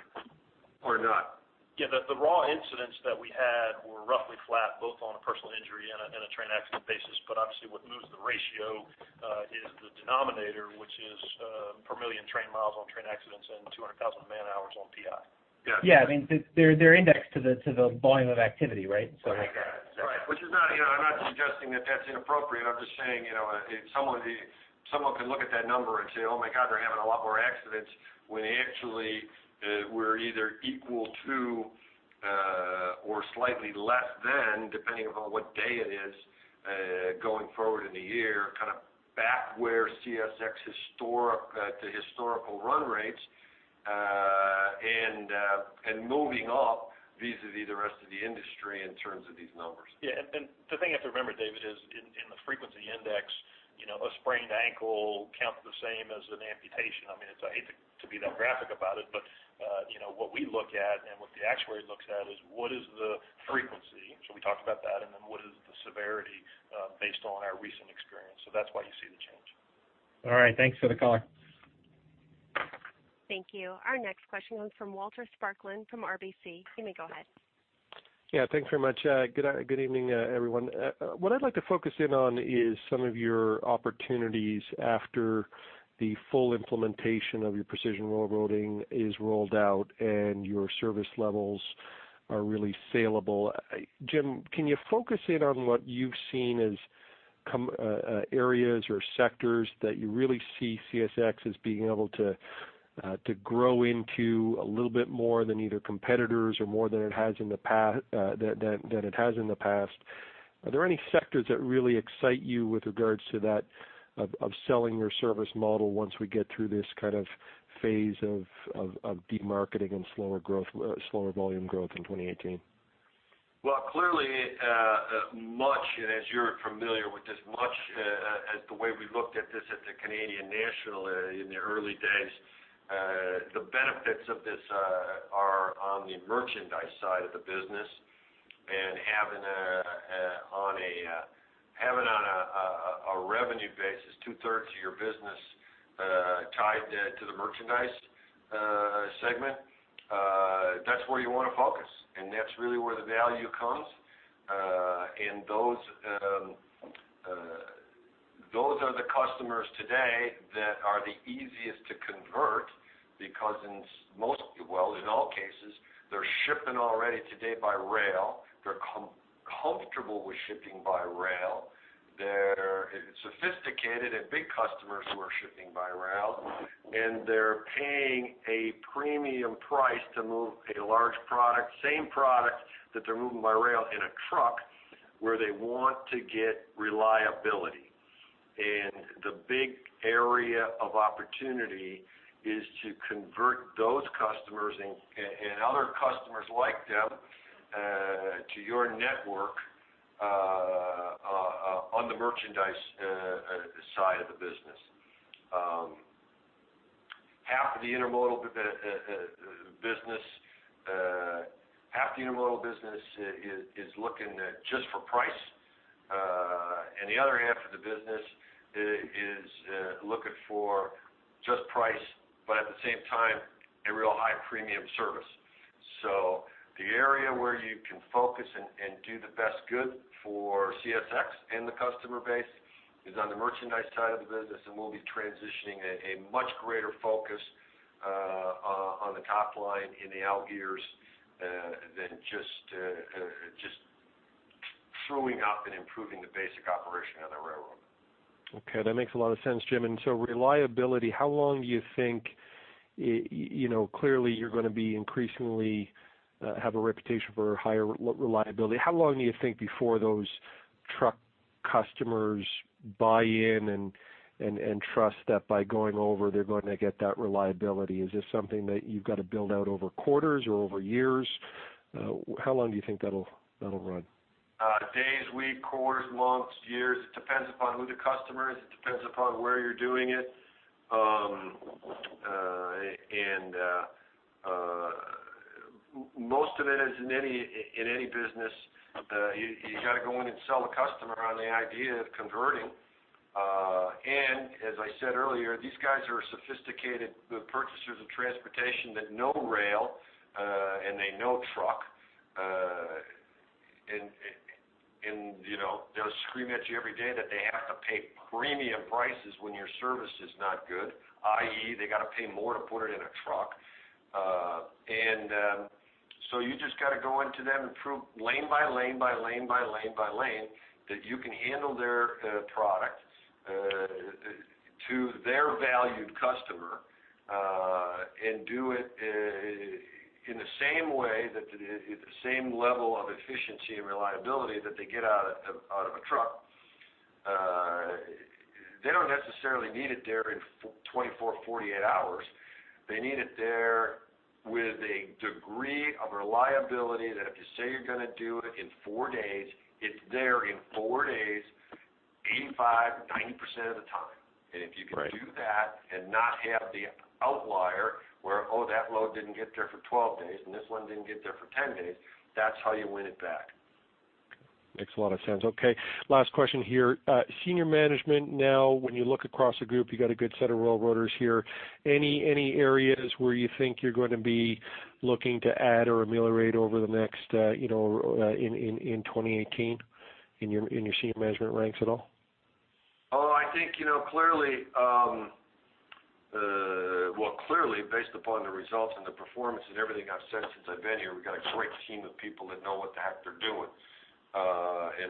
are not. Yeah, the raw incidents that we had were roughly flat, both on a personal injury and a train accident basis. Obviously what moves the ratio is the denominator, which is per 1 million train miles on train accidents and 200,000 man-hours on PI. Yeah. They're indexed to the volume of activity, right? I got it. Right. I'm not suggesting that that's inappropriate. I'm just saying, someone can look at that number and say, "Oh my God, they're having a lot more accidents," when actually we're either equal to or slightly less than, depending upon what day it is, going forward in the year, kind of back where CSX historical run rates, and moving up vis-a-vis the rest of the industry in terms of these numbers. The thing you have to remember, David, is in the frequency index, a sprained ankle counts the same as an amputation. I hate to be that graphic about it, but what we look at and what the actuary looks at is what is the frequency, so we talked about that, and then what is the severity based on our recent experience. That's why you see the change. All right. Thanks for the color. Thank you. Our next question comes from Walter Spracklin from RBC. You may go ahead. Yeah, thanks very much. Good evening, everyone. What I'd like to focus in on is some of your opportunities after the full implementation of your precision railroading is rolled out and your service levels are really saleable. Jim, can you focus in on what you've seen as areas or sectors that you really see CSX as being able to grow into a little bit more than either competitors or more than it has in the past? Are there any sectors that really excite you with regards to that, of selling your service model once we get through this phase of de-marketing and slower volume growth in 2018? Clearly, much, as you're familiar with this, much as the way we looked at this at the Canadian National in the early days, the benefits of this are on the merchandise side of the business. Having on a revenue basis two-thirds of your business tied to the merchandise segment, that's where you want to focus, and that's really where the value comes. Those are the customers today that are the easiest to convert because in all cases, they're shipping already today by rail. They're comfortable with shipping by rail. They're sophisticated and big customers who are shipping by rail, and they're paying a premium price to move a large product, same product that they're moving by rail, in a truck where they want to get reliability. The big area of opportunity is to convert those customers and other customers like them to your network on the merchandise side of the business. Half of the intermodal business is looking at just for price, the other half of the business is looking for just price, but at the same time, a real high premium service. The area where you can focus and do the best good for CSX and the customer base is on the merchandise side of the business, we'll be transitioning a much greater focus on the top line in the out years than just throwing up and improving the basic operation of the railroad. That makes a lot of sense, Jim. Reliability, clearly you're going to be increasingly have a reputation for higher reliability. How long do you think before those truck customers buy in and trust that by going over, they're going to get that reliability? Is this something that you've got to build out over quarters or over years? How long do you think that'll run? Days, weeks, quarters, months, years. It depends upon who the customer is. It depends upon where you're doing it. Most of it, as in any business, you got to go in and sell the customer on the idea of converting. As I said earlier, these guys are sophisticated purchasers of transportation that know rail, they know truck. They'll scream at you every day that they have to pay premium prices when your service is not good, i.e., they got to pay more to put it in a truck. You just got to go into them and prove lane by lane by lane by lane by lane that you can handle their product to their valued customer, and do it in the same way, that the same level of efficiency and reliability that they get out of a truck. They don't necessarily need it there in 24, 48 hours. They need it there with a degree of reliability that if you say you're going to do it in four days, it's there in four days, 85%, 90% of the time. Right. If you can do that and not have the outlier where, oh, that load didn't get there for 12 days and this one didn't get there for 10 days, that's how you win it back. Makes a lot of sense. Okay, last question here. Senior management now, when you look across the group, you got a good set of railroaders here. Any areas where you think you're going to be looking to add or ameliorate over in 2018 in your senior management ranks at all? Well, clearly, based upon the results and the performance and everything I've said since I've been here, we've got a great team of people that know what the heck they're doing.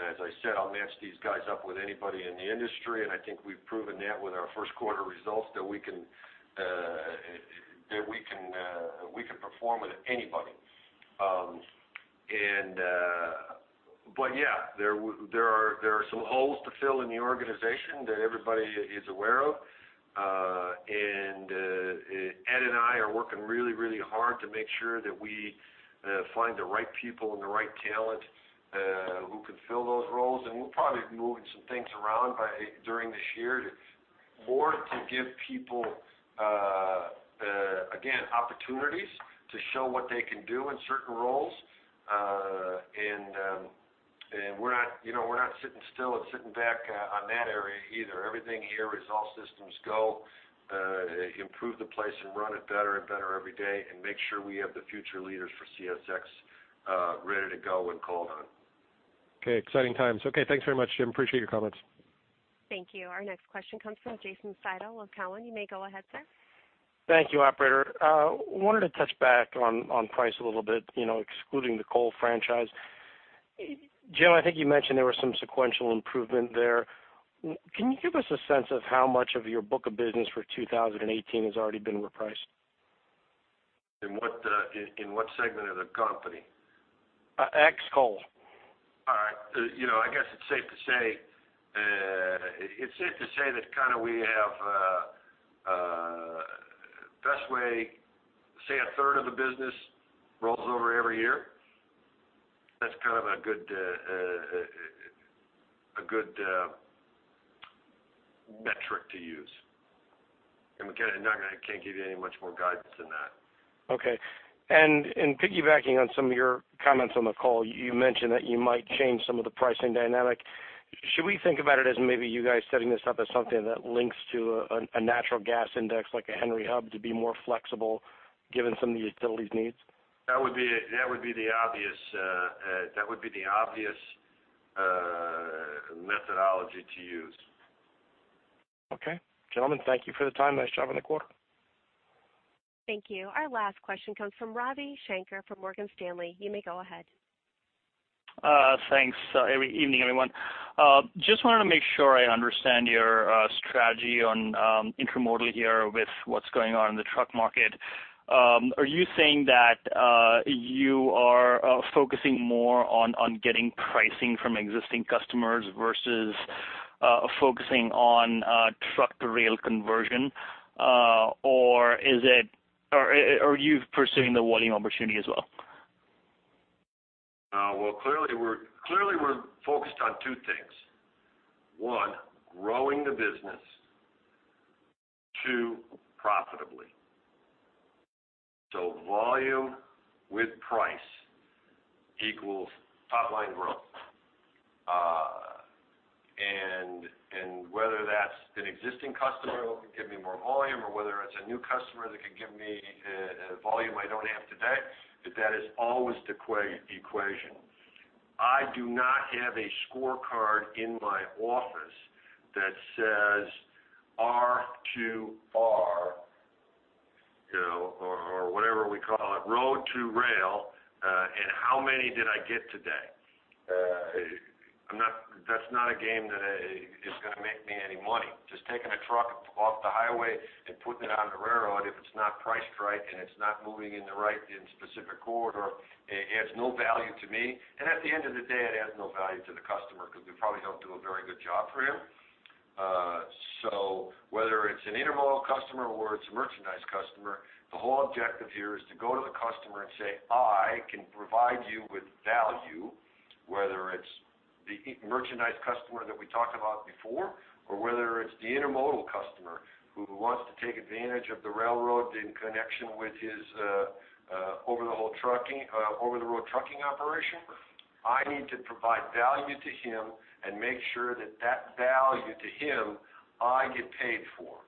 As I said, I'll match these guys up with anybody in the industry, and I think we've proven that with our first quarter results that we can perform with anybody. Yeah, there are some holes to fill in the organization that everybody is aware of. Ed and I are working really hard to make sure that we find the right people and the right talent who can fill those roles. We'll probably be moving some things around during this year to give people, again, opportunities to show what they can do in certain roles. We're not sitting still and sitting back on that area either. Everything here is all systems go, improve the place and run it better and better every day and make sure we have the future leaders for CSX ready to go when called on. Okay, exciting times. Okay, thanks very much, Jim. Appreciate your comments. Thank you. Our next question comes from Jason Seidel of Cowen. You may go ahead, sir. Thank you, operator. Wanted to touch back on price a little bit, excluding the coal franchise. Jim, I think you mentioned there was some sequential improvement there. Can you give us a sense of how much of your book of business for 2018 has already been repriced? In what segment of the company? Ex coal. All right. I guess it's safe to say that we have, best way, say a third of the business rolls over every year. That's kind of a good metric to use. Again, I can't give you any much more guidance than that. Okay. Piggybacking on some of your comments on the call, you mentioned that you might change some of the pricing dynamic. Should we think about it as maybe you guys setting this up as something that links to a natural gas index, like a Henry Hub, to be more flexible given some of the utilities needs? That would be the obvious methodology to use. Okay. Gentlemen, thank you for the time. Nice job on the quarter. Thank you. Our last question comes from Ravi Shanker from Morgan Stanley. You may go ahead. Thanks. Evening, everyone. Just wanted to make sure I understand your strategy on intermodal here with what is going on in the truck market. Are you saying that you are focusing more on getting pricing from existing customers versus focusing on truck to rail conversion, or are you pursuing the volume opportunity as well? Clearly we're focused on two things. One, growing the business. Two, profitably. Volume with price equals top line growth. Whether that's an existing customer who can give me more volume or whether it's a new customer that can give me volume I don't have today, but that is always the equation. I do not have a scorecard in my office that says R2R or whatever we call it, road to rail, and how many did I get today? That's not a game that is going to make me any money. Just taking a truck off the highway and putting it on the railroad, if it's not priced right and it's not moving in the right and specific corridor, it adds no value to me. At the end of the day, it adds no value to the customer because we probably don't do a very good job for him. Whether it's an intermodal customer or it's a merchandise customer, the whole objective here is to go to the customer and say, "I can provide you with value," whether it's the merchandise customer that we talked about before or whether it's the intermodal customer who wants to take advantage of the railroad in connection with his over the road trucking operation. I need to provide value to him and make sure that that value to him I get paid for.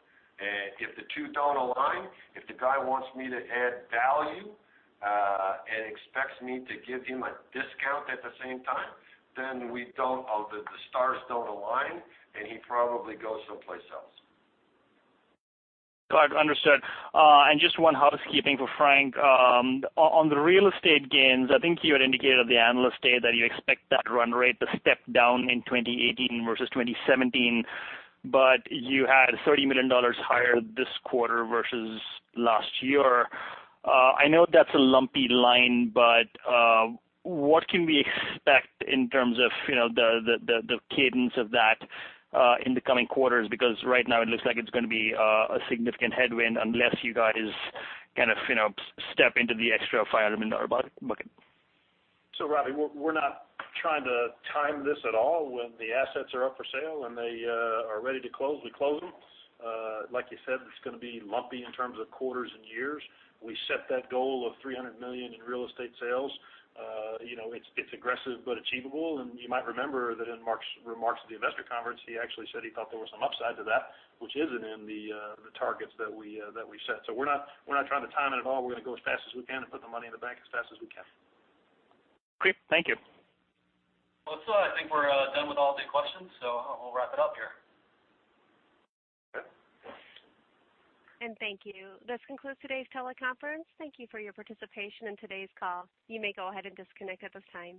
If the two don't align, if the guy wants me to add value, and expects me to give him a discount at the same time, the stars don't align, and he probably goes someplace else. Got it, understood. Just one housekeeping for Frank. On the real estate gains, I think you had indicated at the Analyst Day that you expect that run rate to step down in 2018 versus 2017, but you had $30 million higher this quarter versus last year. I know that's a lumpy line, but what can we expect in terms of the cadence of that in the coming quarters? Because right now it looks like it's going to be a significant headwind unless you guys step into the extra $500 million market. Ravi, we're not trying to time this at all. When the assets are up for sale and they are ready to close, we close them. Like you said, it's going to be lumpy in terms of quarters and years. We set that goal of $300 million in real estate sales. It's aggressive but achievable, and you might remember that in Mark's remarks at the investor conference, he actually said he thought there was some upside to that, which isn't in the targets that we set. We're not trying to time it at all. We're going to go as fast as we can and put the money in the bank as fast as we can. Great. Thank you. Well, I think we're done with all the questions, so we'll wrap it up here. Thank you. This concludes today's teleconference. Thank you for your participation in today's call. You may go ahead and disconnect at this time.